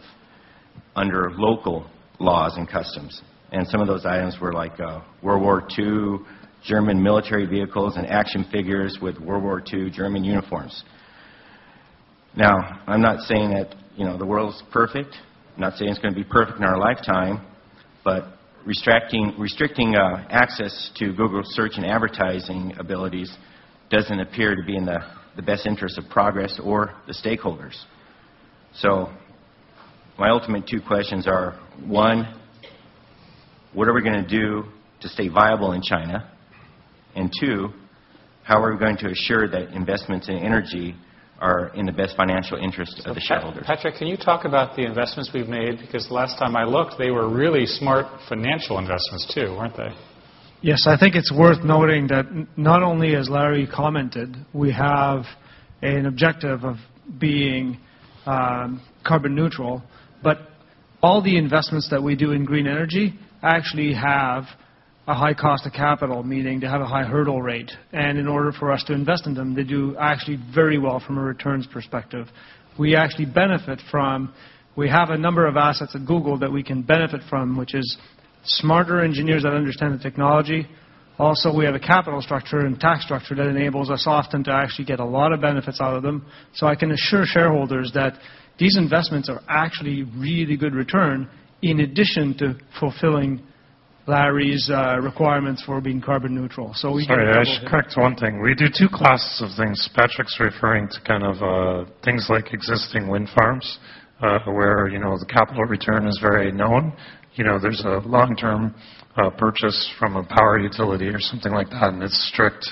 under local laws and customs. Some of those items were like World War II German military vehicles and action figures with World War II German uniforms. I'm not saying that the world's perfect. I'm not saying it's going to be perfect in our lifetime. Restricting access to Google search and advertising abilities doesn't appear to be in the best interest of progress or the stakeholders. My ultimate two questions are, one, what are we going to do to stay viable in China? Two, how are we going to assure that investments in energy are in the best financial interest of the shareholders? Patrick, can you talk about the investments we've made? Because last time I looked, they were really smart financial investments, too, weren't they? Yes. I think it's worth noting that not only, as Larry commented, we have an objective of being carbon neutral, but all the investments that we do in green energy actually have a high cost of capital, meaning they have a high hurdle rate. In order for us to invest in them, they do actually very well from a returns perspective. We actually benefit from a number of assets at Google that we can benefit from, which is smarter engineers that understand the technology. We also have a capital structure and tax structure that enables us often to actually get a lot of benefits out of them. I can assure shareholders that these investments are actually really good return in addition to fulfilling Larry's requirements for being carbon neutral. Sorry, I'd like to correct one thing. We do two classes of things. Patrick's referring to kind of things like existing wind farms, where the capital return is very known. There's a long-term purchase from a power utility or something like that, and it's a strict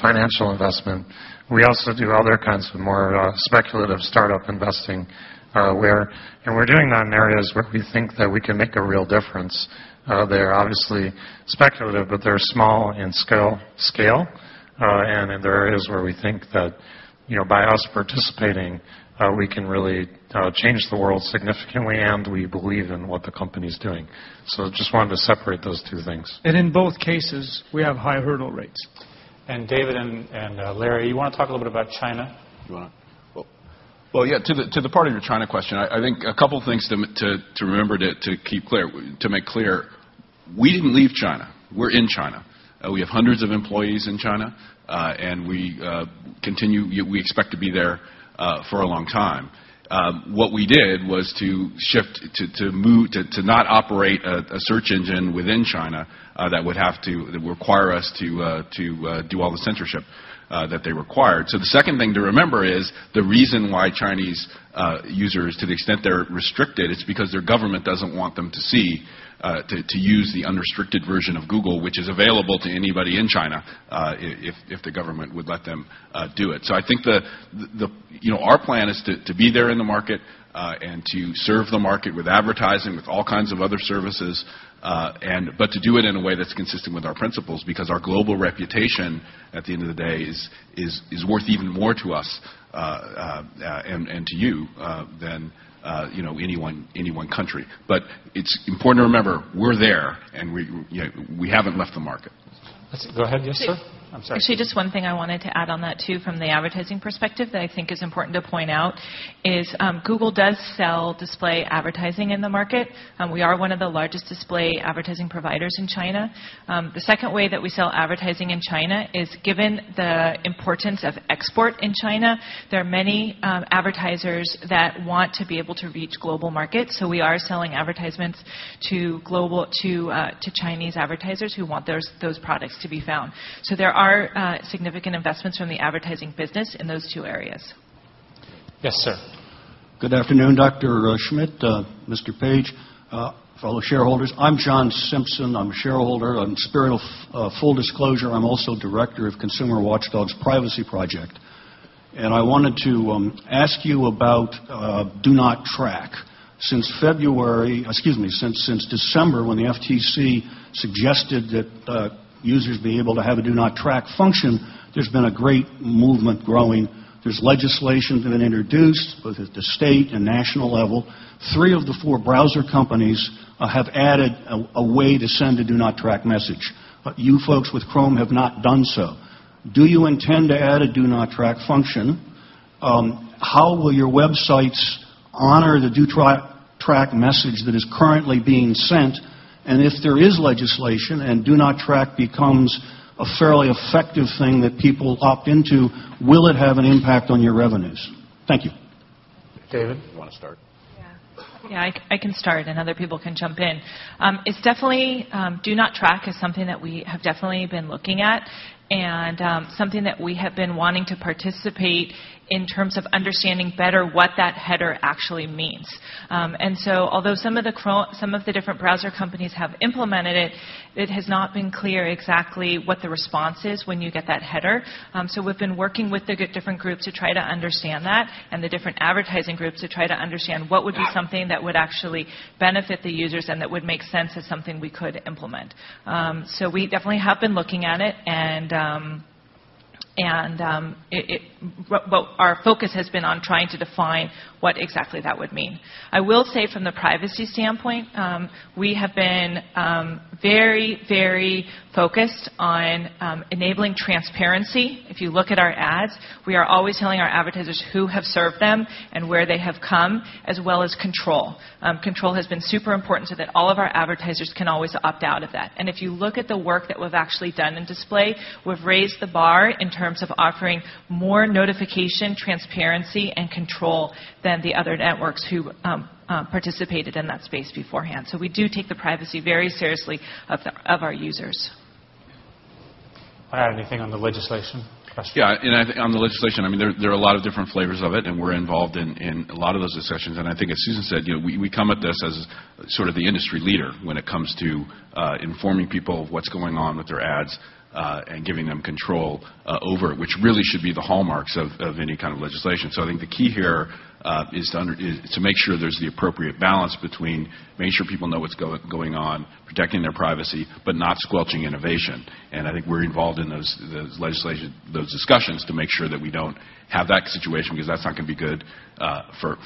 financial investment. We also do other kinds of more speculative startup investing. We're doing that in areas where we think that we can make a real difference. They're obviously speculative, but they're small in scale, and they're areas where we think that by us participating, we can really change the world significantly. We believe in what the company is doing. I just wanted to separate those two things. In both cases, we have high hurdle rates. David and Larry, you want to talk a little bit about China? To the part of your China question, I think a couple of things to remember to make clear: we didn't leave China. We're in China. We have hundreds of employees in China, and we continue, we expect to be there for a long time. What we did was to shift, to not operate a search engine within China that would have to require us to do all the censorship that they required. The second thing to remember is the reason why Chinese users, to the extent they're restricted, it's because their government doesn't want them to see, to use the unrestricted version of Google, which is available to anybody in China if the government would let them do it. I think our plan is to be there in the market and to serve the market with advertising, with all kinds of other services, but to do it in a way that's consistent with our principles because our global reputation, at the end of the day, is worth even more to us and to you than any one country. It's important to remember we're there, and we haven't left the market. Let's see. Go ahead. Yes, sir. Actually, just one thing I wanted to add on that, too, from the advertising perspective that I think is important to point out is Google does sell display advertising in the market. We are one of the largest display advertising providers in China. The second way that we sell advertising in China is given the importance of export in China. There are many advertisers that want to be able to reach global markets. We are selling advertisements to Chinese advertisers who want those products to be found. There are significant investments from the advertising business in those two areas. Yes, sir. Good afternoon, Dr. Schmidt, Mr. Page, fellow shareholders. I'm John Simpson. I'm a shareholder. In spirit of full disclosure, I'm also Director of Consumer Watchdog's Privacy Project. I wanted to ask you about Do Not Track. Since December, when the FTC suggested that users be able to have a Do Not Track function, there's been a great movement growing. There's legislation that's been introduced both at the state and national level. Three of the four browser companies have added a way to send a Do Not Track message. You folks with Chrome have not done so. Do you intend to add a Do Not Track function? How will your websites honor the Do Not Track message that is currently being sent? If there is legislation and Do Not Track becomes a fairly effective thing that people opt into, will it have an impact on your revenues? Thank you. David, you want to start? I can start. Other people can jump in. Do Not Track is something that we have definitely been looking at and something that we have been wanting to participate in, in terms of understanding better what that header actually means. Although some of the different browser companies have implemented it, it has not been clear exactly what the response is when you get that header. We have been working with the different groups to try to understand that and the different advertising groups to try to understand what would be something that would actually benefit the users and that would make sense as something we could implement. We definitely have been looking at it, and our focus has been on trying to define what exactly that would mean. I will say from the privacy standpoint, we have been very, very focused on enabling transparency. If you look at our ads, we are always telling our advertisers who have served them and where they have come, as well as control. Control has been super important so that all of our advertisers can always opt out of that. If you look at the work that we've actually done in display, we've raised the bar in terms of offering more notification, transparency, and control than the other networks who participated in that space beforehand. We do take the privacy very seriously of our users. I have anything on the legislation question? Yeah. On the legislation, there are a lot of different flavors of it. We're involved in a lot of those discussions. I think, as Susan said, we come at this as sort of the industry leader when it comes to informing people of what's going on with their ads and giving them control over it, which really should be the hallmarks of any kind of legislation. I think the key here is to make sure there's the appropriate balance between making sure people know what's going on, protecting their privacy, but not squelching innovation. I think we're involved in those discussions to make sure that we don't have that situation because that's not going to be good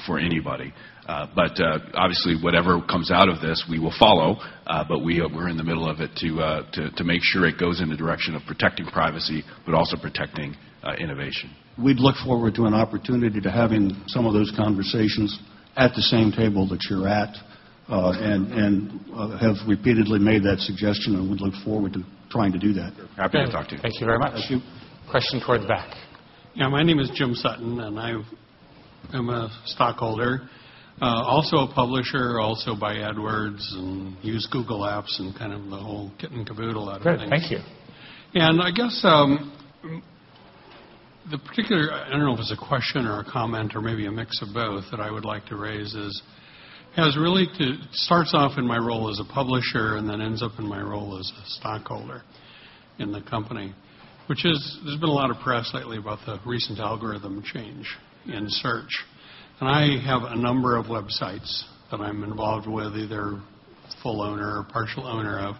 for anybody. Obviously, whatever comes out of this, we will follow. We're in the middle of it to make sure it goes in the direction of protecting privacy, but also protecting innovation. We'd look forward to an opportunity to have some of those conversations at the same table that you're at and have repeatedly made that suggestion. We'd look forward to trying to do that. Happy to talk to you. Thank you very much. Question toward the back. Yeah. My name is Jim Sutton. I'm a stockholder, also a publisher, also buy AdWords. I use Google Apps and kind of the whole kit and caboodle out of things. Great. Thank you. Yeah. I guess the particular, I don't know if it's a question or a comment or maybe a mix of both that I would like to raise, is really to start off in my role as a publisher and then ends up in my role as a stockholder in the company, which is there's been a lot of press lately about the recent algorithm change in search. I have a number of websites that I'm involved with, either full owner or partial owner of,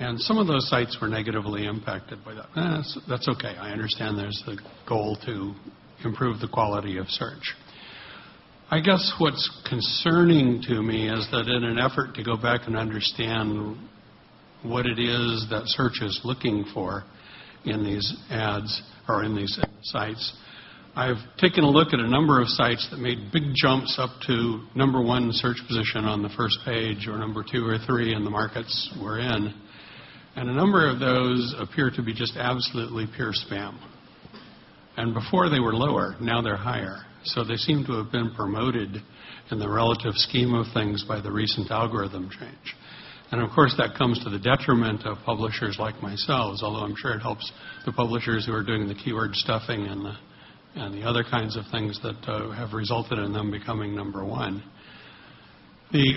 and some of those sites were negatively impacted by that. That's okay.. I understand there's the goal to improve the quality of search. I guess what's concerning to me is that in an effort to go back and understand what it is that search is looking for in these ads or in these sites, I've taken a look at a number of sites that made big jumps up to number one search position on the first page or number two or three in the markets we're in. A number of those appear to be just absolutely pure spam. Before, they were lower. Now they're higher. They seem to have been promoted in the relative scheme of things by the recent algorithm change. Of course, that comes to the detriment of publishers like myself, although I'm sure it helps the publishers who are doing the keyword stuffing and the other kinds of things that have resulted in them becoming number one.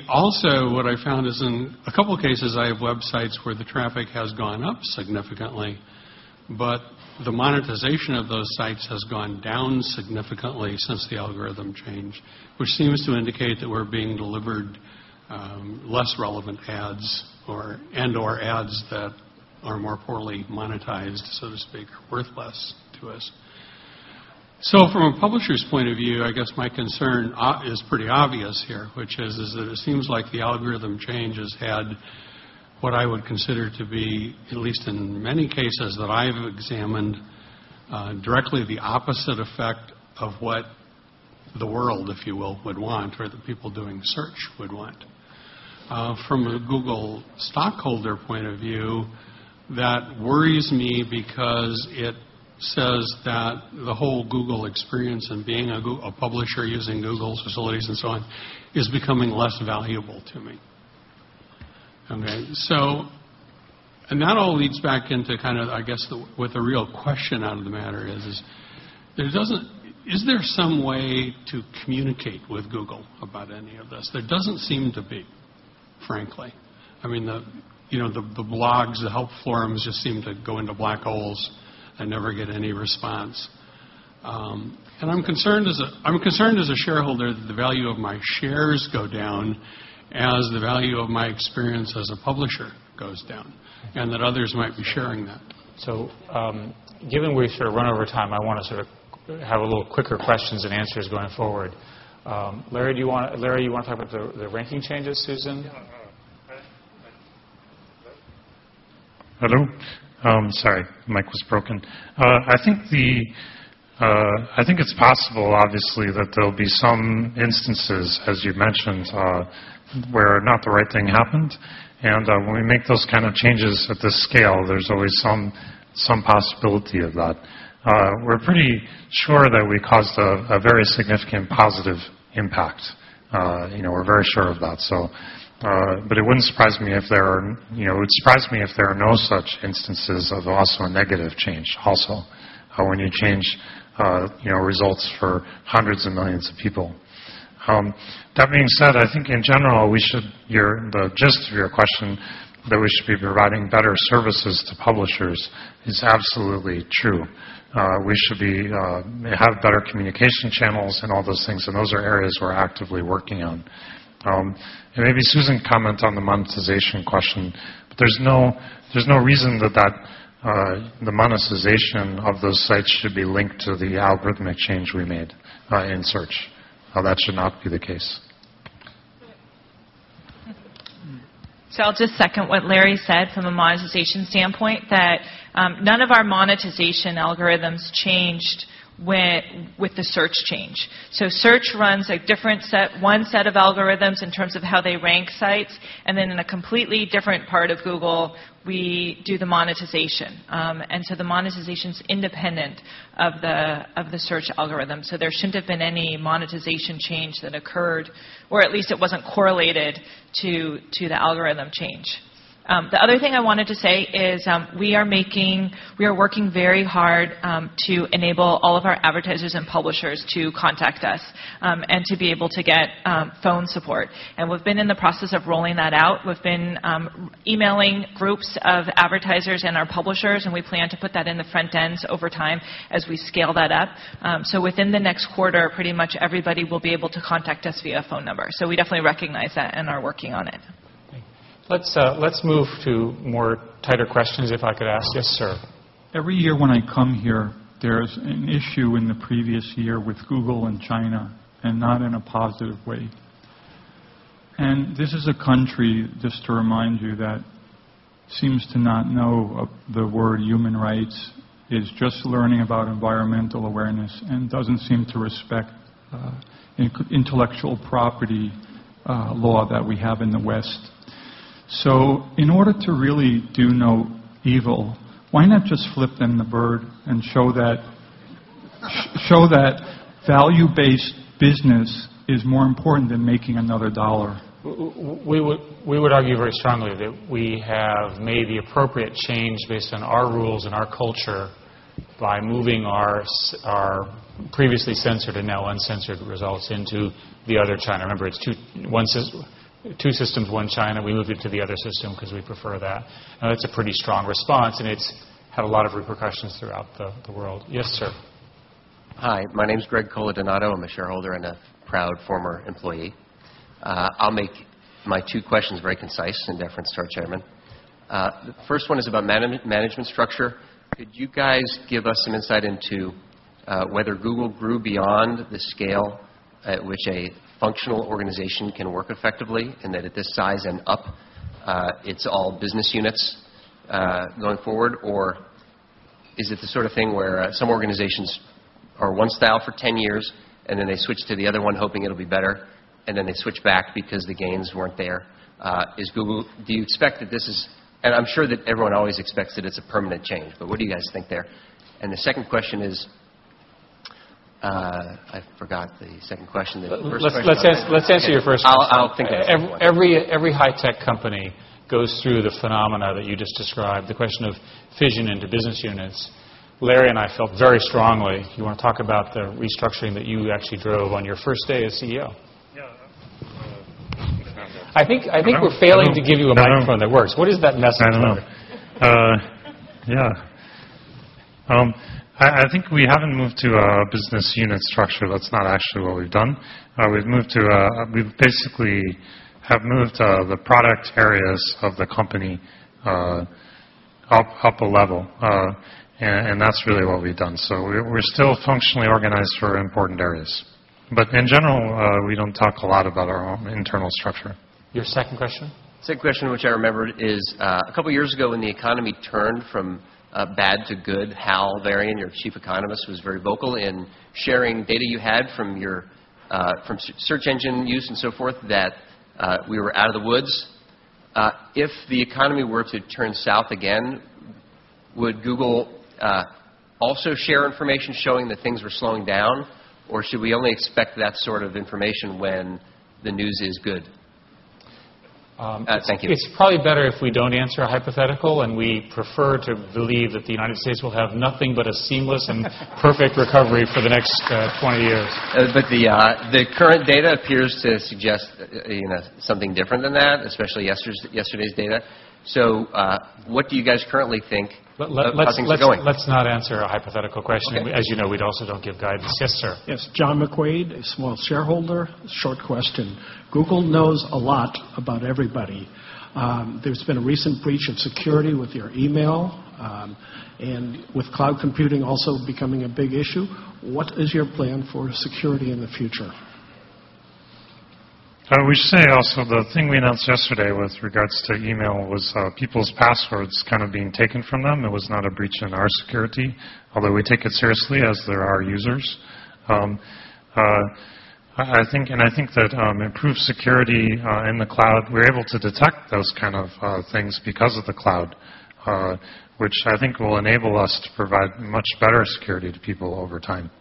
Also, what I found is in a couple of cases, I have websites where the traffic has gone up significantly, but the monetization of those sites has gone down significantly since the algorithm change, which seems to indicate that we're being delivered less relevant ads and/or ads that are more poorly monetized, so to speak, worthless to us. From a publisher's point of view, I guess my concern is pretty obvious here, which is that it seems like the algorithm change has had what I would consider to be, at least in many cases that I've examined, directly the opposite effect of what the world, if you will, would want or the people doing search would want. From a Google stockholder point of view, that worries me because it says that the whole Google experience and being a publisher using Google's facilities and so on is becoming less valuable to me. That all leads back into kind of, I guess, what the real question out of the matter is, is there some way to communicate with Google about any of this? There doesn't seem to be, frankly. I mean, you know the blogs, the help forums just seem to go into black holes and never get any response. I'm concerned as a shareholder that the value of my shares go down as the value of my experience as a publisher goes down and that others might be sharing that. Given we sort of run over time, I want to sort of have a little quicker questions and answers going forward. Larry, do you want to talk about the ranking changes, Susan? Hello. Sorry, mic was broken. I think it's possible, obviously, that there will be some instances, as you mentioned, where not the right thing happened. When we make those kind of changes at this scale, there's always some possibility of that. We're pretty sure that we caused a very significant positive impact. We're very sure of that. It wouldn't surprise me if there are no such instances of also a negative change also when you change results for hundreds of millions of people. That being said, I think in general, the gist of your question that we should be providing better services to publishers is absolutely true. We should have better communication channels and all those things. Those are areas we're actively working on. Maybe Susan can comment on the monetization question. There's no reason that the monetization of those sites should be linked to the algorithmic change we made in search. That should not be the case. I will just second what Larry said from a monetization standpoint, that none of our monetization algorithms changed with the search change. Search runs a different set, one set of algorithms in terms of how they rank sites. In a completely different part of Google, we do the monetization, and the monetization is independent of the search algorithm. There should not have been any monetization change that occurred, or at least it was not correlated to the algorithm change. The other thing I wanted to say is we are working very hard to enable all of our advertisers and publishers to contact us and to be able to get phone support. We have been in the process of rolling that out. We have been emailing groups of advertisers and our publishers, and we plan to put that in the front ends over time as we scale that up. Within the next quarter, pretty much everybody will be able to contact us via phone number. We definitely recognize that and are working on it. Let's move to more tighter questions, if I could ask. Yes, sir. Every year when I come here, there's an issue in the previous year with Google in China and not in a positive way. This is a country, just to remind you, that seems to not know the word human rights. It's just learning about environmental awareness and doesn't seem to respect intellectual property law that we have in the West. In order to really do no evil, why not just flip then the bird and show that value-based business is more important than making another dollar? We would argue very strongly that we have made the appropriate change based on our rules and our culture by moving our previously censored and now uncensored results into the other China. Remember, it's two systems, one China. We moved it to the other system because we prefer that. That's a pretty strong response, and it's had a lot of repercussions throughout the world. Yes, sir. Hi. My name is Greg Coladonato. I'm a shareholder and a proud former employee. I'll make my two questions very concise in deference to our Chairman. The first one is about management structure. Could you guys give us some insight into whether Google grew beyond the scale at which a functional organization can work effectively, and that at this size and up, it's all business units going forward? Is it the sort of thing where some organizations are one style for 10 years, and then they switch to the other one hoping it'll be better, and then they switch back because the gains weren't there? Do you expect that this is—I’m sure that everyone always expects that it's a permanent change. What do you guys think there? The second question is—I forgot the second question. Let's answer your first question. Every high-tech company goes through the phenomena that you just described, the question of fitting into business units. Larry and I felt very strongly. You want to talk about the restructuring that you actually drove on your first day as CEO? Yeah. I think we're failing to give you a microphone that works. What is that message? Yeah. I think we haven't moved to a business unit structure. That's not actually what we've done. We basically have moved the product areas of the company up a level. That's really what we've done. We're still functionally organized for important areas. In general, we don't talk a lot about our internal structure. Your second question? Second question, which I remembered, is a couple of years ago when the economy turned from bad to good, Hal Varian, your Chief Economist, was very vocal in sharing data you had from search engine use and so forth that we were out of the woods. If the economy were to turn south again, would Google also share information showing that things were slowing down? Or should we only expect that sort of information when the news is good? Thank you. It's probably better if we don't answer a hypothetical. We prefer to believe that the United States will have nothing but a seamless and perfect recovery for the next 20 years. The current data appears to suggest something different than that, especially yesterday's data. What do you guys currently think about things going? Let's not answer a hypothetical question. As you know, we also don't give guidance. Yes, sir. Yes. John McQuaid, a small shareholder, short question. Google knows a lot about everybody. There's been a recent breach of security with your email, and with cloud computing also becoming a big issue, what is your plan for security in the future? I would say also the thing we announced yesterday with regards to email was people's passwords kind of being taken from them. It was not a breach in our security, although we take it seriously as there are users. I think that improved security in the cloud, we're able to detect those kind of things because of the cloud, which I think will enable us to provide much better security to people over time.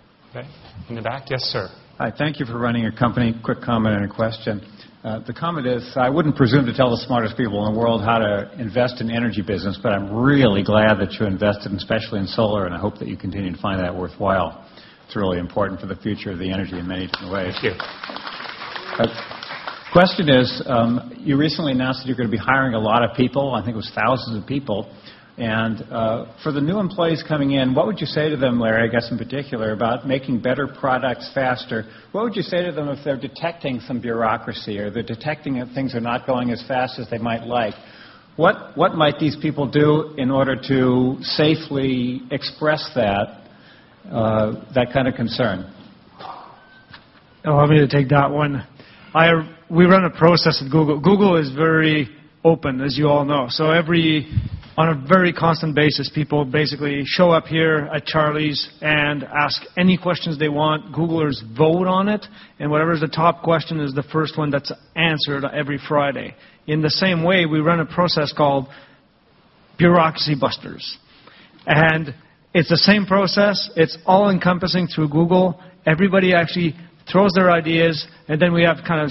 In the back? Yes, sir. Hi. Thank you for running your company. Quick comment and a question. The comment is, I wouldn't presume to tell the smartest people in the world how to invest in the energy business. I'm really glad that you invested, especially in solar. I hope that you continue to find that worthwhile. It's really important for the future of the energy in many different ways. Thank you. Question is, you recently announced that you're going to be hiring a lot of people. I think it was thousands of people. For the new employees coming in, what would you say to them, Larry, I guess in particular, about making better products faster? What would you say to them if they're detecting some bureaucracy or they're detecting that things are not going as fast as they might like? What might these people do in order to safely express that kind of concern? I'll be able to take that one. We run a process at Google. Google is very open, as you all know. On a very constant basis, people basically show up here at Charlie's and ask any questions they want. Googlers vote on it, and whatever is the top question is the first one that's answered every Friday. In the same way, we run a process called Bureaucracy Busters. It's the same process. It's all-encompassing through Google. Everybody actually throws their ideas in, and then we have kind of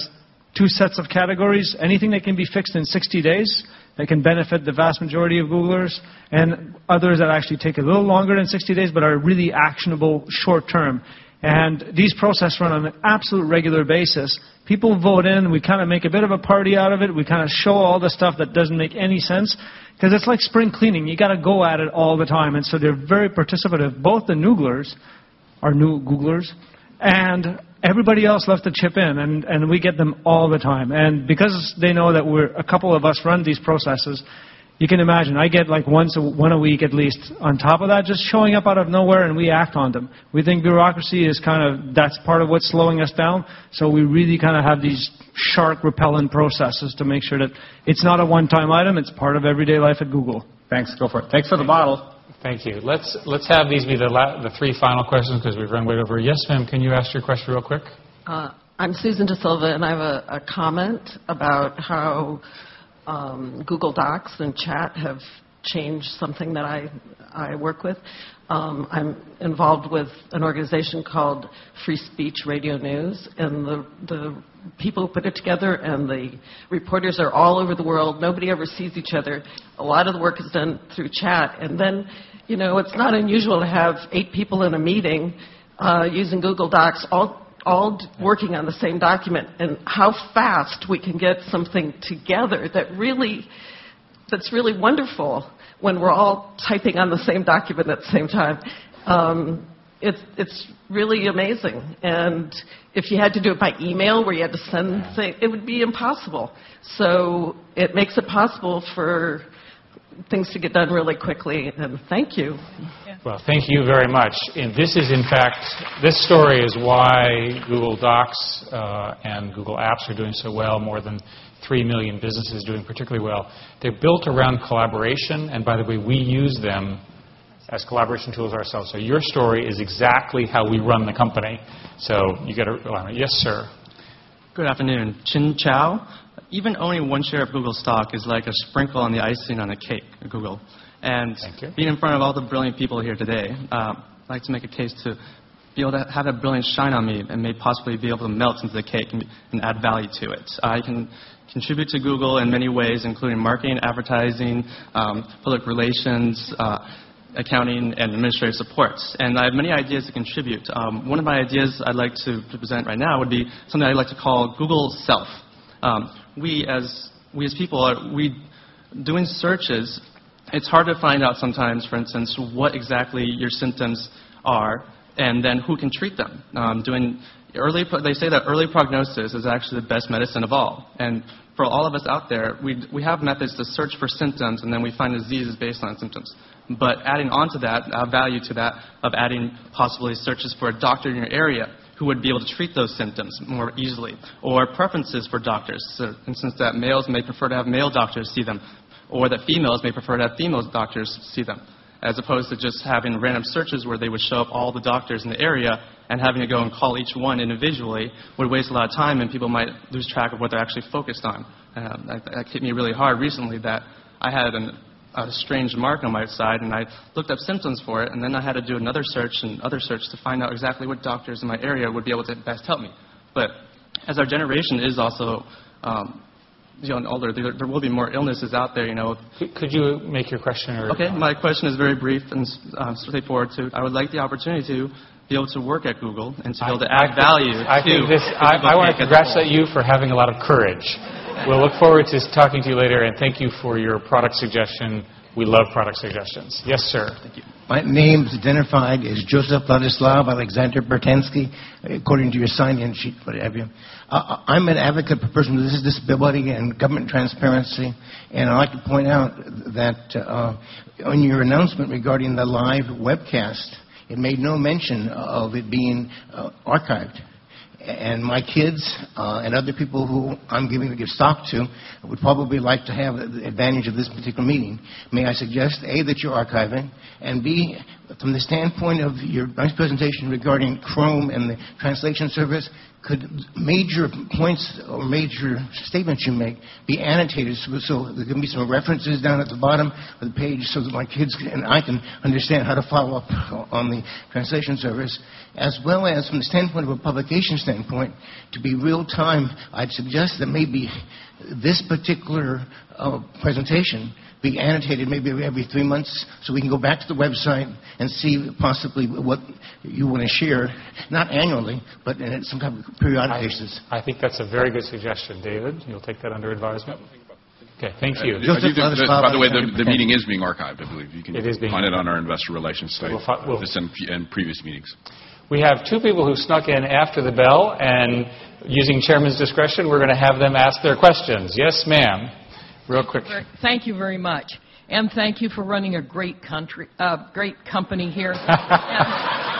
two sets of categories: anything that can be fixed in 60 days that can benefit the vast majority of Googlers, and others that actually take a little longer than 60 days but are really actionable short term. These processes run on an absolute regular basis. People vote in. We kind of make a bit of a party out of it. We show all the stuff that doesn't make any sense because it's like spring cleaning. You've got to go at it all the time. They're very participative. Both the Nooglers, our new Googlers, and everybody else love to chip in. We get them all the time. Because they know that a couple of us run these processes, you can imagine, I get like once a week at least on top of that, just showing up out of nowhere. We act on them. We think bureaucracy is kind of that's part of what's slowing us down. We really kind of have these sharp, repellent processes to make sure that it's not a one-time item. It's part of everyday life at Google. Thanks. Go for it. Thanks for the model. Thank you. Let's have these be the three final questions, because we've run way over. Yes, ma'am, can you ask your question real quick? I'm Susan da Silva. I have a comment about how Google Docs and chat have changed something that I work with. I'm involved with an organization called Free Speech Radio News, and the people who put it together and the reporters are all over the world. Nobody ever sees each other. A lot of the work is done through chat. It's not unusual to have eight people in a meeting using Google Docs, all working on the same document, and how fast we can get something together that's really wonderful when we're all typing on the same document at the same time. It's really amazing. If you had to do it by email, where you had to send things, it would be impossible. It makes it possible for things to get done really quickly. Thank you. Thank you very much. This story is why Google Docs and Google Apps are doing so well, more than three million businesses doing particularly well. They're built around collaboration. By the way, we use them as collaboration tools ourselves. Your story is exactly how we run the company. You got to, yes, sir. Good afternoon. Even owning one share of Google stock is like a sprinkle on the icing on a cake at Google. Thank you. Being in front of all the brilliant people here today, I'd like to make a case to be able to have that brilliance shine on me and possibly be able to melt into the cake and add value to it. I can contribute to Google in many ways, including marketing, advertising, public relations, accounting, and administrative supports. I have many ideas to contribute. One of my ideas I'd like to present right now would be something I'd like to call Google self. We, as people, doing searches, it's hard to find out sometimes, for instance, what exactly your symptoms are and then who can treat them. They say that early prognosis is actually the best medicine of all. For all of us out there, we have methods to search for symptoms, and then we find diseases based on symptoms. Adding on to that, add value to that, of adding possibly searches for a doctor in your area who would be able to treat those symptoms more easily, or preferences for doctors. In a sense, males may prefer to have male doctors see them, or females may prefer to have female doctors see them, as opposed to just having random searches where they would show up all the doctors in the area. Having to go and call each one individually would waste a lot of time, and people might lose track of what they're actually focused on. That hit me really hard recently that I had a strange mark on my side. I looked up symptoms for it, and then I had to do another search and another search to find out exactly what doctors in my area would be able to best help me. As our generation is also older, there will be more illnesses out there. Could you make your question or? OK. My question is very brief and straightforward. I would like the opportunity to be able to work at Google and to be able to add value. I want to congratulate you for having a lot of courage. We look forward to talking to you later. Thank you for your product suggestion. We love product suggestions. Yes, sir. Thank you. My name is identified as Joseph Vladislav Alexander Bertinsky, according to your sign-in sheet for the interview. I'm an advocate for persons with disabilities and government transparency. I'd like to point out that in your announcement regarding the live webcast, it made no mention of it being archived. My kids and other people who I'm giving the gift stock to would probably like to have the advantage of this particular meeting. May I suggest, A, that you're archiving? From the standpoint of your nice presentation regarding Chrome and the translation service, could major points or major statements you make be annotated so there can be some references down at the bottom of the page so that my kids and I can understand how to follow up on the translation service? As well as from the standpoint of a publication standpoint, to be real-time, I'd suggest that maybe this particular presentation be annotated maybe every three months so we can go back to the website and see possibly what you want to share, not annually, but in some kind of periodic basis. I think that's a very good suggestion, David. You'll take that under advisement. Okay. Thank you. By the way, the meeting is being archived, I believe. It is being. You can find it on our investor relations site and previous meetings. We have two people who snuck in after the bell. Using Chairman's discretion, we're going to have them ask their questions. Yes, ma'am? Real quick. Thank you very much. Thank you for running a great company here.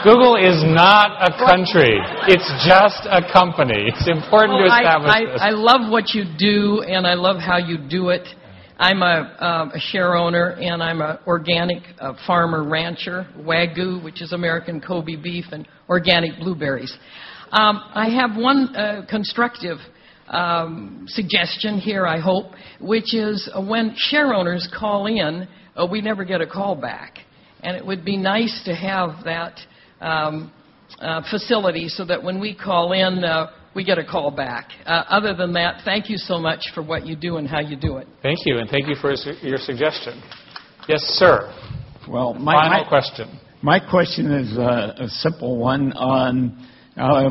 Google is not a country. It's just a company. It's important to establish this. I love what you do, and I love how you do it. I'm a share owner, and I'm an organic farmer rancher, Wagyu, which is American Kobe beef, and organic blueberries. I have one constructive suggestion here, I hope, which is when share owners call in, we never get a call back. It would be nice to have that facility so that when we call in, we get a call back. Other than that, thank you so much for what you do and how you do it. Thank you. Thank you for your suggestion. Yes, sir. My question is a simple one. I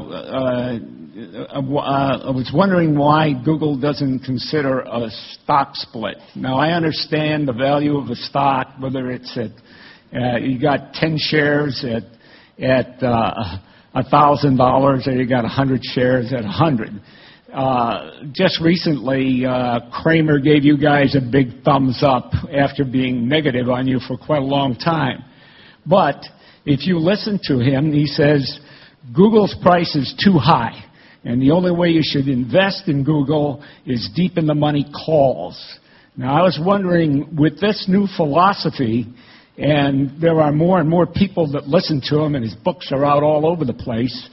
was wondering why Google doesn't consider a stock split. Now, I understand the value of a stock, whether it's that you've got 10 shares at $1,000 or you've got 100 shares at $100. Just recently, Kramer gave you guys a big thumbs up after being negative on you for quite a long time. If you listen to him, he says Google's price is too high. The only way you should invest in Google is deep in the money calls. I was wondering, with this new philosophy, and there are more and more people that listen to him, and his books are out all over the place,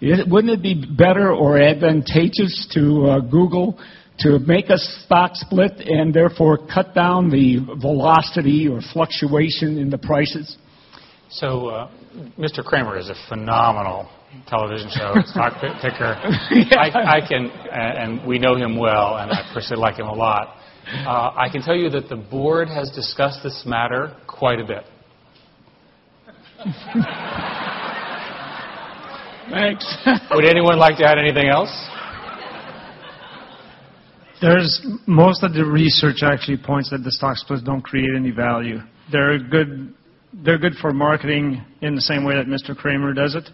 wouldn't it be better or advantageous to Google to make a stock split and therefore cut down the velocity or fluctuation in the prices? Mr. Kramer is a phenomenal television show stock picker. We know him well, and I personally like him a lot. I can tell you that the board has discussed this matter quite a bit. Thanks. Would anyone like to add anything else? Most of the research actually points that stock splits don't create any value. They're good for marketing in the same way that Mr. Kramer does it.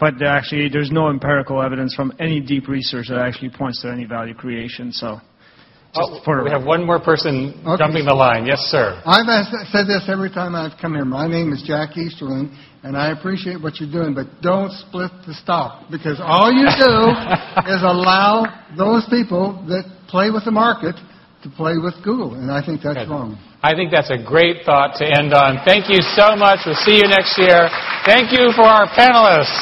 Actually, there's no empirical evidence from any deep research that points to any value creation. We have one more person jumping the line. Yes, sir. I've said this every time I've come here. My name is Jack Easterling. I appreciate what you're doing. Do not split the stock, because all you do is allow those people that play with the market to play with Google. I think that's wrong. I think that's a great thought to end on. Thank you so much. We'll see you next year. Thank you for our panelists.